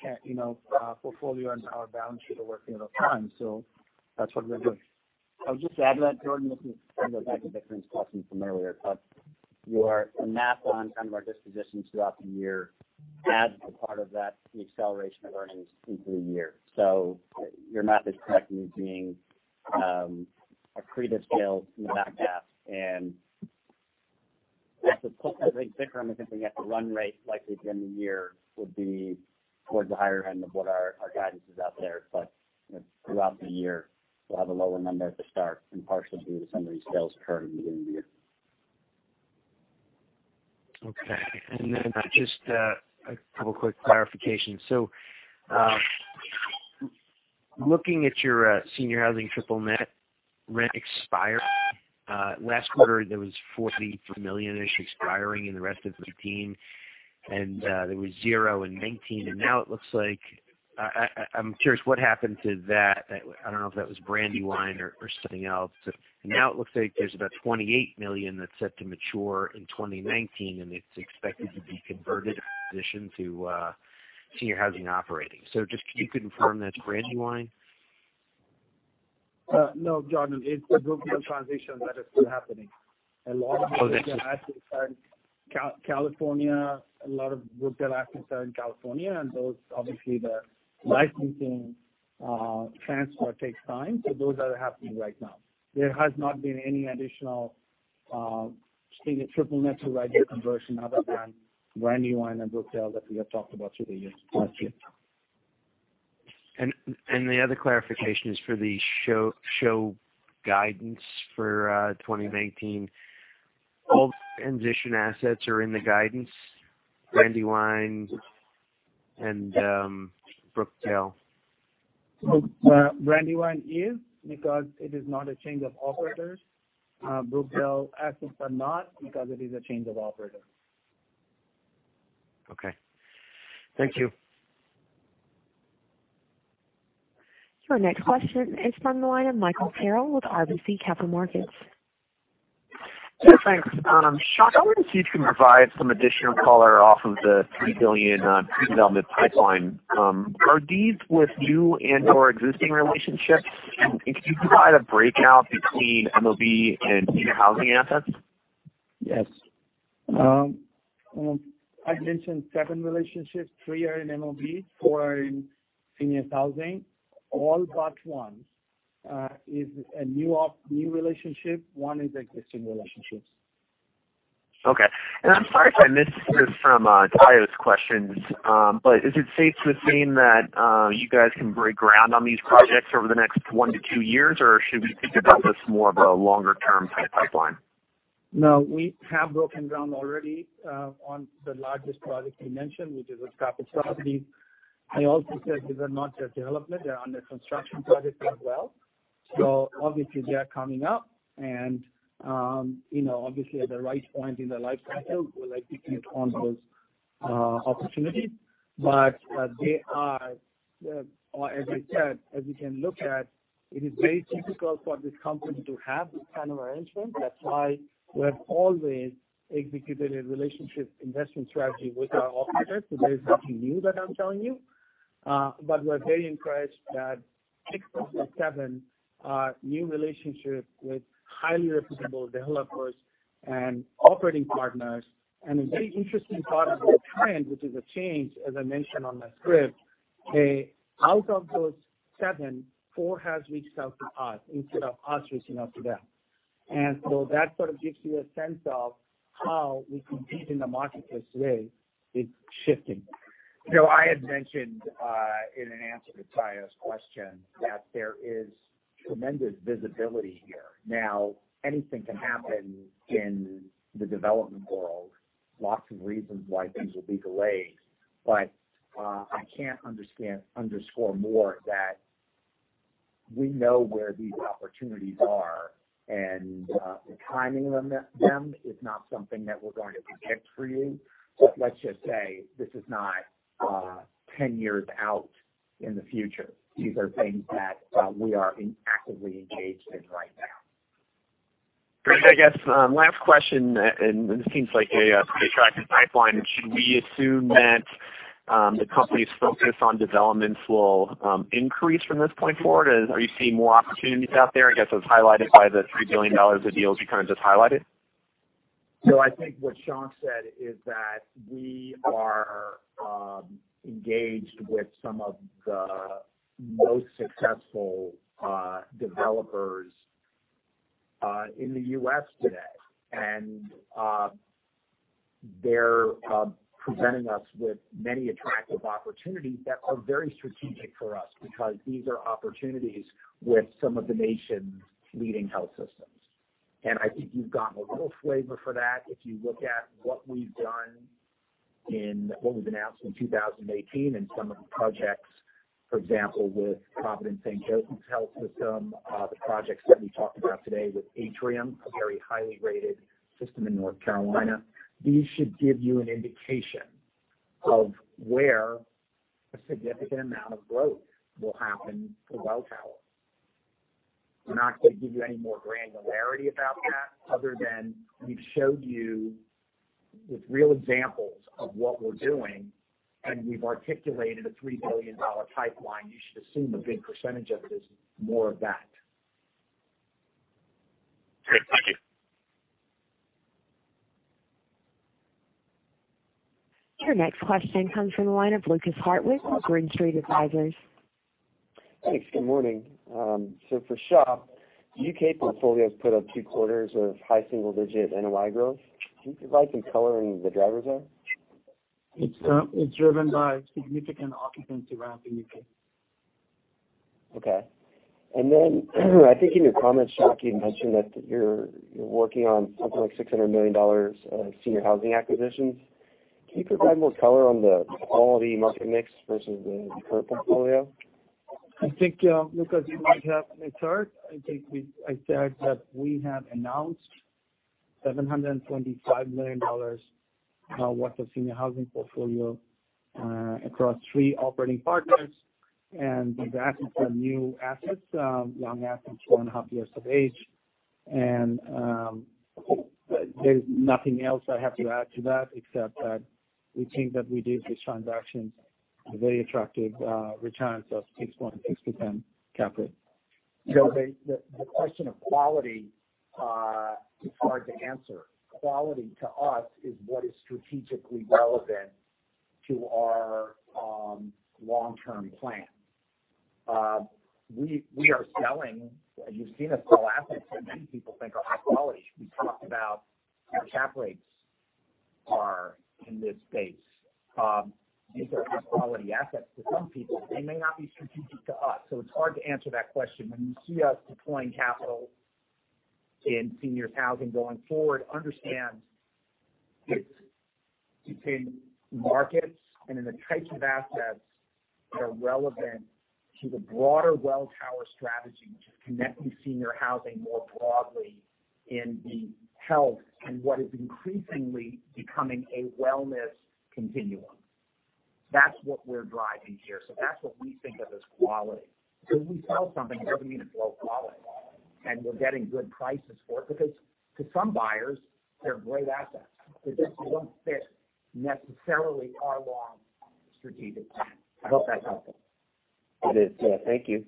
S4: portfolio and our balance sheet working at a time. That's what we're doing.
S2: I'll just add that, Jordan, looking kind of back to Vikram's question from earlier. Your math on kind of our dispositions throughout the year add a part of that, the acceleration of earnings into the year. Your math is correct in it being accretive sales from that cap. I suppose, I think, Vikram, I'm thinking at the run rate, likely at the end of the year will be towards the higher end of what our guidance is out there. Throughout the year, we'll have a lower number at the start and partially due to some of these sales occurring at the end of the year.
S12: Okay. Just a couple quick clarifications. Looking at your seniors housing triple-net rent expiry, last quarter, there was $43 million-ish expiring in the rest of 2018, and there was zero in 2019. Now it looks like I'm curious what happened to that. I don't know if that was Brandywine or something else. Now it looks like there's about $28 million that's set to mature in 2019, and it's expected to be converted in transition to seniors housing operating. Just could you confirm that's Brandywine?
S4: No, Jordan, it's the Brookdale transition that is still happening.
S12: Oh, okay.
S4: A lot of Brookdale assets are in California. A lot of Brookdale assets are in California, and those, obviously the licensing transfer takes time. Those are happening right now. There has not been any additional single triple-net to right unit conversion other than Brandywine and Brookdale that we have talked about through the year to date.
S12: The other clarification is for the SHO guidance for 2019. All transition assets are in the guidance, Brandywine and Brookdale.
S4: Brandywine is, because it is not a change of operators. Brookdale assets are not because it is a change of operator.
S12: Okay. Thank you.
S1: Your next question is from the line of Michael Carroll with RBC Capital Markets.
S13: Yeah, thanks. Shak, I wanted to see if you can provide some additional color off of the $3 billion redevelopment pipeline. Are these with new and/or existing relationships? Can you provide a breakout between MOB and senior housing assets?
S4: Yes. I mentioned seven relationships. Three are in MOB, four are in senior housing. All but one is a new relationship. One is existing relationships.
S13: Okay. I'm sorry if I missed this from Tayo's questions. Is it safe to assume that you guys can break ground on these projects over the next one to two years, or should we think about this more of a longer-term type pipeline?
S4: No, we have broken ground already on the largest project you mentioned, which is with Capital Properties. I also said these are not just development, they're under construction projects as well. Obviously they are coming up and obviously at the right point in the life cycle, we'll execute on those opportunities. As I said, as we can look at, it is very typical for this company to have this kind of arrangement. That's why we have always executed a relationship investment strategy with our operators. That is nothing new that I'm telling you. We're very impressed that six out of seven new relationships with highly reputable developers and operating partners. A very interesting part of the trend, which is a change, as I mentioned on my script, out of those seven, four has reached out to us instead of us reaching out to them. That sort of gives you a sense of how we compete in the marketplace today. It's shifting.
S3: I had mentioned, in an answer to Omotayo's question, that there is tremendous visibility here. Anything can happen in the development world, lots of reasons why things will be delayed. I can't underscore more that we know where these opportunities are and the timing of them is not something that we're going to predict for you. Let's just say, this is not 10 years out in the future. These are things that we are actively engaged in right now.
S13: Great. I guess, last question, this seems like a pretty attractive pipeline. Should we assume that the company's focus on developments will increase from this point forward? Are you seeing more opportunities out there, I guess, as highlighted by the $3 billion of deals you kind of just highlighted?
S3: I think what Shankh said is that we are engaged with some of the most successful developers in the U.S. today. They're presenting us with many attractive opportunities that are very strategic for us because these are opportunities with some of the nation's leading health systems. I think you've gotten a little flavor for that if you look at what we've done in what we've announced in 2018 and some of the projects, for example, with Providence St. Joseph Health, the projects that we talked about today with Atrium Health, a very highly rated system in North Carolina. These should give you an indication of where a significant amount of growth will happen for Welltower. We're not going to give you any more granularity about that other than we've showed you with real examples of what we're doing, and we've articulated a $3 billion pipeline. You should assume a big percentage of it is more of that.
S13: Great. Thank you.
S1: Your next question comes from the line of Lukas Hartwich with Green Street Advisors.
S14: Thanks. Good morning. For Shankh, U.K. portfolio's put up two quarters of high single-digit NOI growth. Can you provide some color in the drivers there?
S4: It's driven by significant occupancy ramp in U.K.
S14: Okay. I think in your comments, Shankh, you mentioned that you're working on something like $600 million of senior housing acquisitions. Can you provide more color on the quality market mix versus the current portfolio?
S4: I think, Lukas, you might have a chart. I think I said that we have announced $725 million worth of senior housing portfolio across three operating partners, these are new assets, young assets, four and a half years of age. There's nothing else I have to add to that except that we think that we did these transactions at very attractive returns of 6.6% cap rate.
S3: The question of quality is hard to answer. Quality to us is what is strategically relevant to our long-term plan. We are selling, you've seen us sell assets that many people think are high quality. We talked about where cap rates are in this space. These are high-quality assets to some people. They may not be strategic to us, so it's hard to answer that question. When you see us deploying capital in senior housing going forward, understand it's between markets and in the types of assets that are relevant to the broader Welltower strategy, which is connecting senior housing more broadly in the health and what is increasingly becoming a wellness continuum. That's what we're driving here. That's what we think of as quality. When we sell something, it doesn't mean it's low quality, and we're getting good prices for it because to some buyers, they're great assets. They just won't fit necessarily our long strategic plan. I hope that's helpful.
S14: It is. Thank you.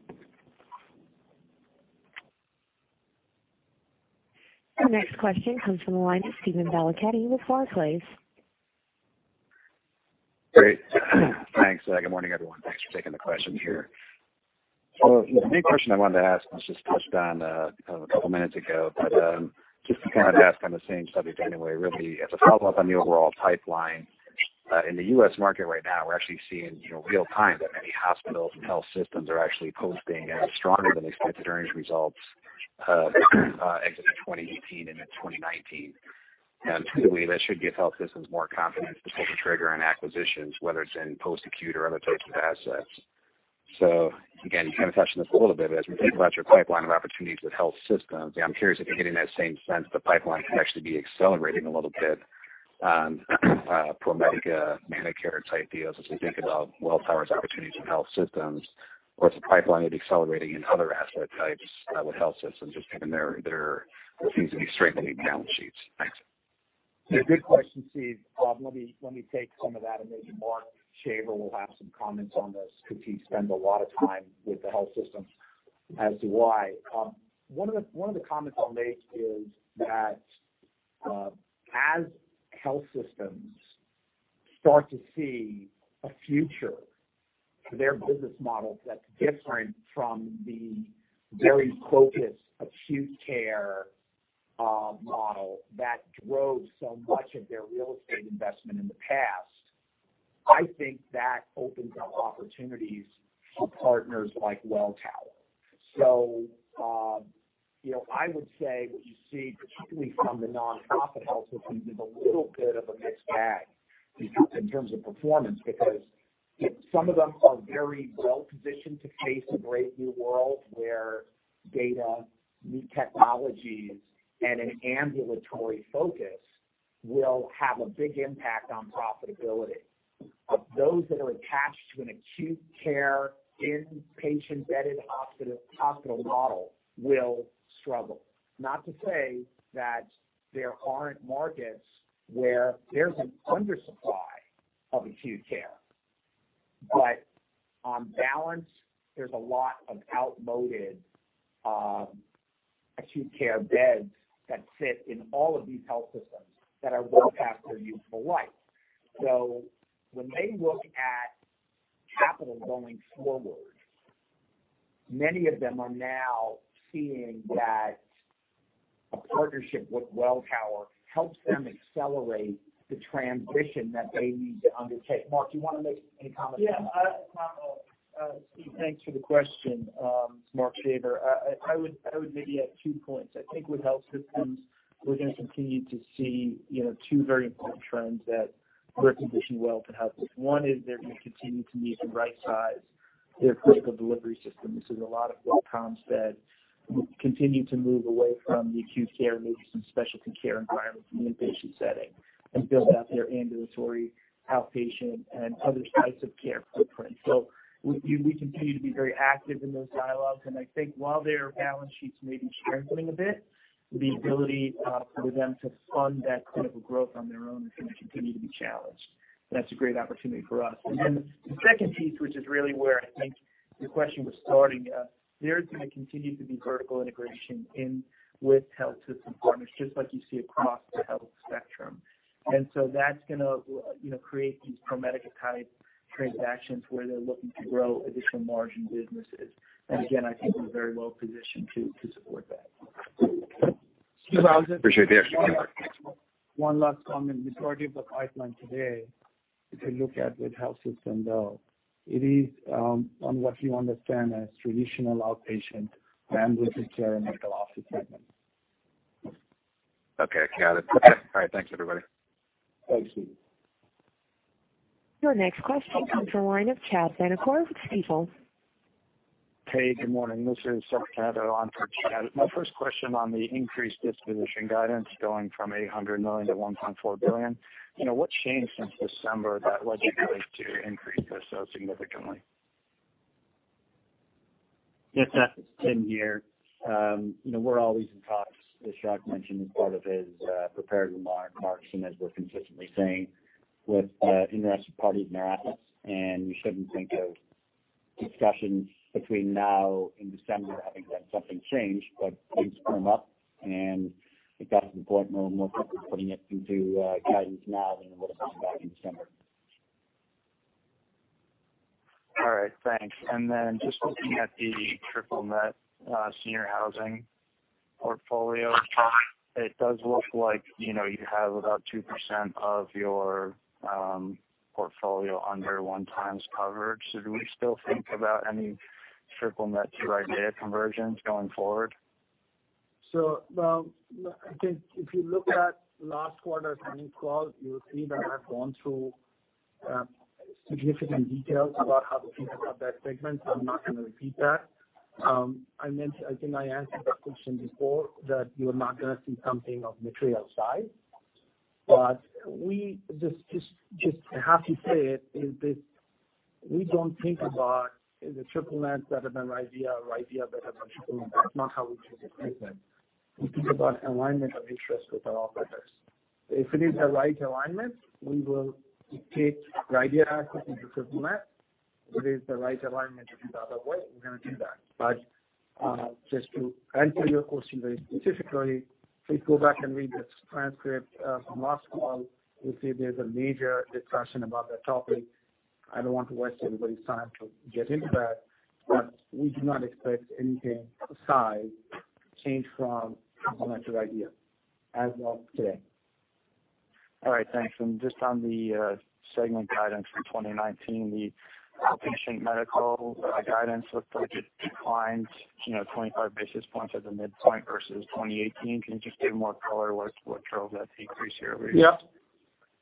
S1: Your next question comes from the line of Steven Valiquette with Barclays.
S15: Great. Thanks. Good morning, everyone. Thanks for taking the questions here. The main question I wanted to ask was just touched on a couple of minutes ago, but just to kind of ask on the same subject anyway, really as a follow-up on the overall pipeline in the U.S. market right now, we're actually seeing real-time that many hospitals and health systems are actually posting stronger than expected earnings results exit 2018 and into 2019. Intuitively, that should give health systems more confidence to pull the trigger on acquisitions, whether it's in post-acute or other types of assets. Again, you kind of touched on this a little bit, as we think about your pipeline of opportunities with health systems, I'm curious if you're getting that same sense the pipeline could actually be accelerating a little bit, ProMedica, ManorCare type deals, as we think about Welltower's opportunities in health systems, or if the pipeline is accelerating in other asset types with health systems, just given their what seems to be strengthening balance sheets. Thanks.
S3: Yeah. Good question, Steve. Rob, let me take some of that, and maybe Mark Shaver will have some comments on this because he spends a lot of time with the health systems as to why. One of the comments I'll make is that as health systems start to see a future for their business models that's different from the very focused acute care model that drove so much of their real estate investment in the past, I think that opens up opportunities for partners like Welltower. I would say what you see, particularly from the nonprofit health systems, is a little bit of a mixed bag in terms of performance. Some of them are very well-positioned to face a brave new world where data meet technologies, and an ambulatory focus will have a big impact on profitability. Those that are attached to an acute care, inpatient, bedded hospital model will struggle. Not to say that there aren't markets where there's an undersupply of acute care. On balance, there's a lot of outmoded acute care beds that sit in all of these health systems that are well past their useful life. When they look at capital going forward, many of them are now seeing that a partnership with Welltower helps them accelerate the transition that they need to undertake. Mark, do you want to make any comments on that?
S16: Yeah. Steve, thanks for the question. Mark Shaver. I would maybe add two points. I think with health systems, we're going to continue to see two very important trends that we're positioned well to help with. One is they're going to continue to need to right-size their critical delivery systems. There's a lot of proms beds. Continue to move away from the acute care, maybe some specialty care environment from the inpatient setting, and build out their ambulatory, outpatient, and other types of care footprint. We continue to be very active in those dialogues. I think while their balance sheets may be strengthening a bit, the ability for them to fund that clinical growth on their own is going to continue to be challenged. That's a great opportunity for us. The second piece, which is really where I think your question was starting, there's going to continue to be vertical integration in with health system partners, just like you see across the health spectrum. That's going to create these ProMedica type transactions where they're looking to grow additional margin businesses. Again, I think we're very well positioned to support that.
S3: Steve, I'll just-
S15: Appreciate the answer.
S3: One last comment. The majority of the pipeline today, if you look at with health systems, though, it is on what you understand as traditional outpatient, ambulatory care, and medical office segments.
S15: Okay, got it. All right. Thanks, everybody.
S3: Thanks, Steve.
S1: Your next question comes from the line of Chad Vanacore with Stifel.
S17: Hey, good morning. This is Chad Vanacore from Stifel. My first question on the increased disposition guidance going from $800 million - $1.4 billion. What changed since December that led you really to increase this so significantly?
S2: Yes, Chad, it's Tim here. We're always in talks, as Shankh mentioned in part of his prepared remarks. As we're consistently saying with interested parties in our assets, you shouldn't think of discussions between now and December having that something changed. Things come up, and it got to the point where we're more comfortable putting it into guidance now than it would have been back in December.
S17: All right, thanks. Then just looking at the triple-net senior housing portfolio, Chad, it does look like you have about 2% of your portfolio under 1 times coverage. Do we still think about any triple-net to RIDEA conversions going forward?
S3: I think if you look at last quarter's earnings call, you'll see that I've gone through significant details about how to think about that segment. I'm not going to repeat that. I think I answered that question before, that you're not going to see something of material size. We just have to say it, is that we don't think about the triple-net better than RIDEA or RIDEA better than triple-net. That's not how we think of segments. We think about alignment of interest with our operators. If it is the right alignment, we will take RIDEA assets into triple-net. If it is the right alignment to do the other way, we're going to do that. Just to answer your question very specifically, please go back and read the transcript from last call. You'll see there's a major discussion about that topic. I don't want to waste anybody's time to get into that. We do not expect anything besides change from complementary EBITDA as of today.
S17: All right, thanks. Just on the segment guidance for 2019, the outpatient medical guidance looked like it declined 25 basis points at the midpoint versus 2018. Can you just give more color? What drove that decrease year-over-year?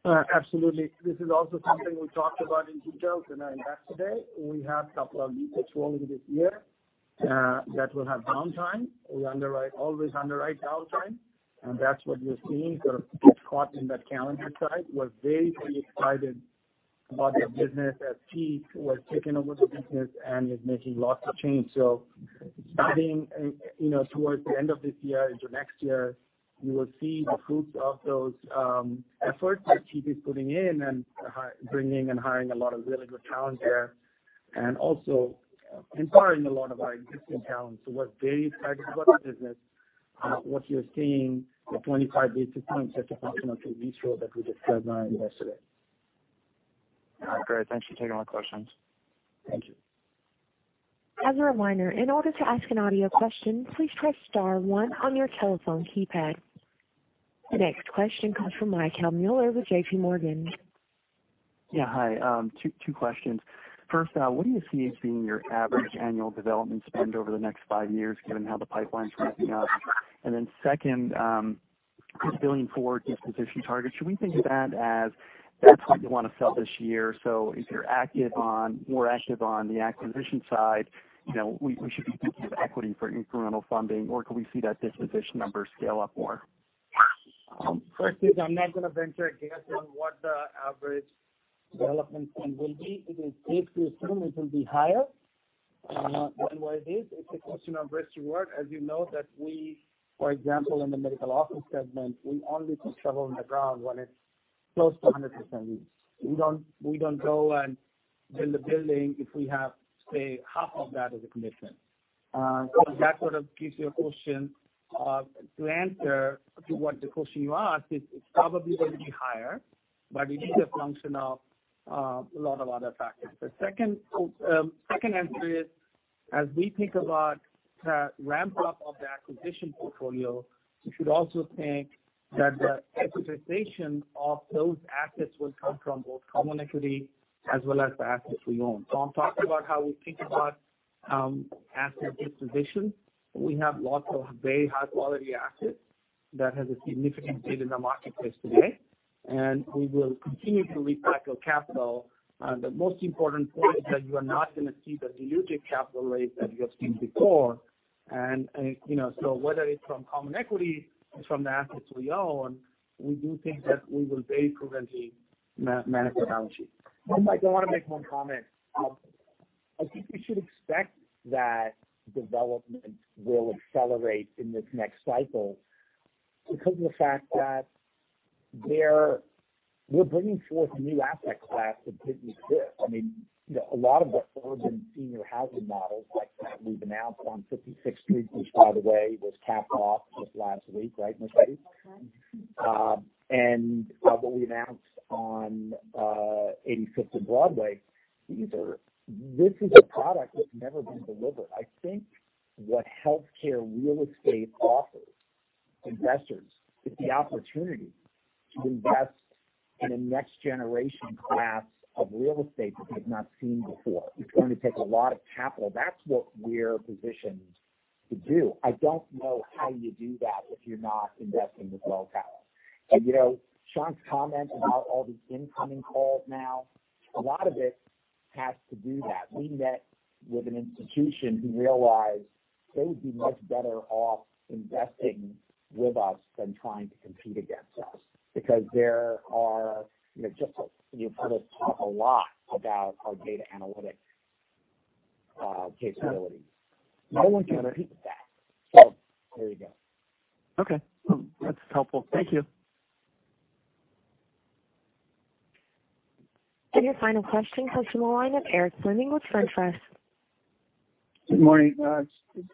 S4: Yeah. Absolutely. This is also something we talked about in detail during our investor day. We have a couple of leases rolling this year that will have downtime. We always underwrite downtime, and that's what you're seeing sort of get caught in that calendar side. We're very, very excited about the business as Keith was taking over the business and is making lots of change. Starting towards the end of this year into next year, you will see the fruits of those efforts that Keith is putting in and bringing and hiring a lot of really good talent there, and also empowering a lot of our existing talent. We're very excited about the business. What you're seeing, the 25 basis points is a functional ratio that we just outlined yesterday.
S17: All right, great. Thanks for taking my questions.
S4: Thank you.
S1: As a reminder, in order to ask an audio question, please press star one on your telephone keypad. The next question comes from Michael Mueller with JPMorgan.
S18: Yeah, hi. Two questions. First, what do you see as being your average annual development spend over the next five years, given how the pipeline's ramping up? Then second, Chris billing forward disposition target. Should we think of that as that's what you want to sell this year? If you're more active on the acquisition side, we should be thinking of equity for incremental funding, could we see that disposition number scale up more?
S4: First is I'm not going to venture a guess on what the average development spend will be. It is safe to assume it will be higher than what it is. It's a question of risk reward. As you know that we, for example, in the medical office segment, we only put shovel in the ground when it's close to 100% leased. We don't go and build a building if we have, say, half of that as a commitment. That sort of gives you a question to answer to what the question you asked is, it's probably going to be higher, but it is a function of a lot of other factors. The second answer is, as we think about the ramp up of the acquisition portfolio, you should also think that the equitization of those assets will come from both common equity as well as the assets we own. I'm talking about how we think about asset disposition. We have lots of very high-quality assets that has a significant bid in the marketplace today, we will continue to recycle capital. The most important point is that you are not going to see the dilutive capital rates that you have seen before. Whether it's from common equity, it's from the assets we own, we do think that we will very prudently manage our balance sheet.
S3: Mike, I want to make one comment. I think we should expect that development will accelerate in this next cycle because of the fact that we're bringing forth a new asset class that didn't exist. A lot of the urban senior housing models like that we've announced on 56th Street, which, by the way, was capped off just last week, right, Mitra?
S4: Right.
S3: What we announced on 85th and Broadway, this is a product that's never been delivered. I think what healthcare real estate offers investors is the opportunity to invest in a next-generation class of real estate that they've not seen before. It's going to take a lot of capital. That's what we're positioned to do. I don't know how you do that if you're not investing with Welltower. Shankh's comment about all these incoming calls now, a lot of it has to do that. We met with an institution who realized they would be much better off investing with us than trying to compete against us because there are just you sort of talk a lot about our data analytics capabilities. No one can compete with that. There you go.
S18: Okay. That's helpful. Thank you.
S1: Your final question comes from the line of Eric Fleming with Suntrust.
S19: Good morning.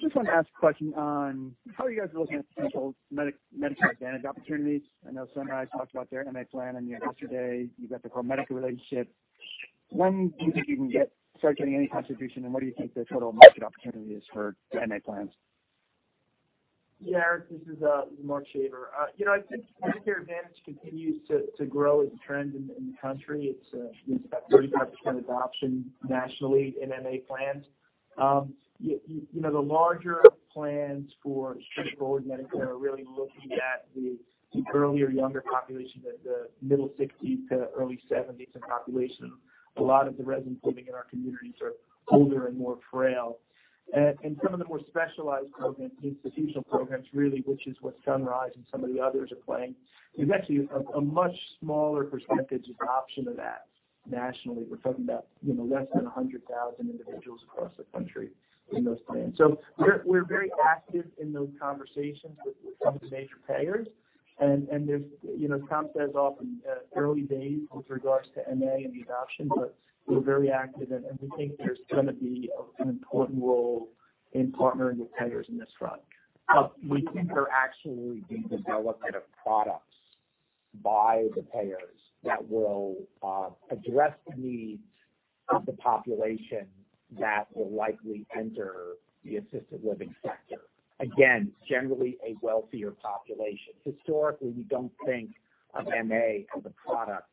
S19: Just want to ask a question on how are you guys looking at potential Medicare Advantage opportunities? I know Sunrise talked about their MA plan, I know yesterday you got the ProMedica relationship. When do you think you can start getting any contribution, and what do you think the total market opportunity is for MA plans?
S16: Yeah, Eric, this is Mark Shaver. I think Medicare Advantage continues to grow as a trend in the country. It's got 35% adoption nationally in MA plans. The larger plans for straightforward Medicare are really looking at the earlier, younger population, the middle sixties to early seventies in population. A lot of the residents living in our communities are older and more frail. Some of the more specialized programs, institutional programs, really, which is what Sunrise and some of the others are playing, there's actually a much smaller percentage of adoption of that nationally. We're talking about less than 100,000 individuals across the country in those plans. We're very active in those conversations with some of the major payers.
S3: As Tom says, often early days with regards to MA and the adoption, but we're very active, and we think there's going to be an important role in partnering with payers in this front. We think there actually will be development of products by the payers that will address the needs of the population that will likely enter the assisted living sector. Again, generally a wealthier population. Historically, we don't think of MA as a product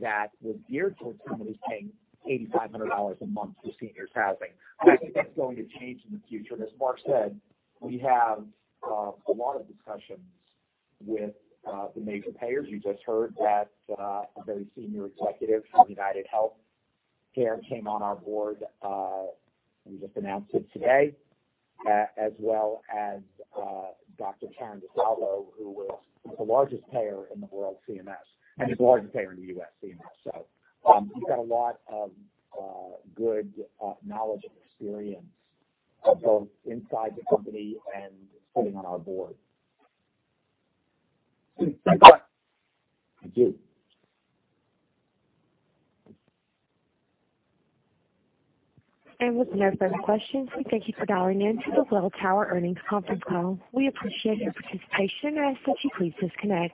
S3: that was geared towards somebody paying $8,500 a month for seniors housing. I think that's going to change in the future. As Mark said, we have a lot of discussions with the major payers. You just heard that a very senior executive from UnitedHealthcare came on our board. We just announced it today, as well as Dr. Karen DeSalvo, who was the largest payer in the world, CMS, and is the largest payer in the U.S., CMS. We've got a lot of good knowledge and experience, both inside the company and sitting on our board.
S19: Thank you.
S3: I do.
S1: With no further questions, we thank you for dialing in to the Welltower Earnings Conference Call. We appreciate your participation and ask that you please disconnect.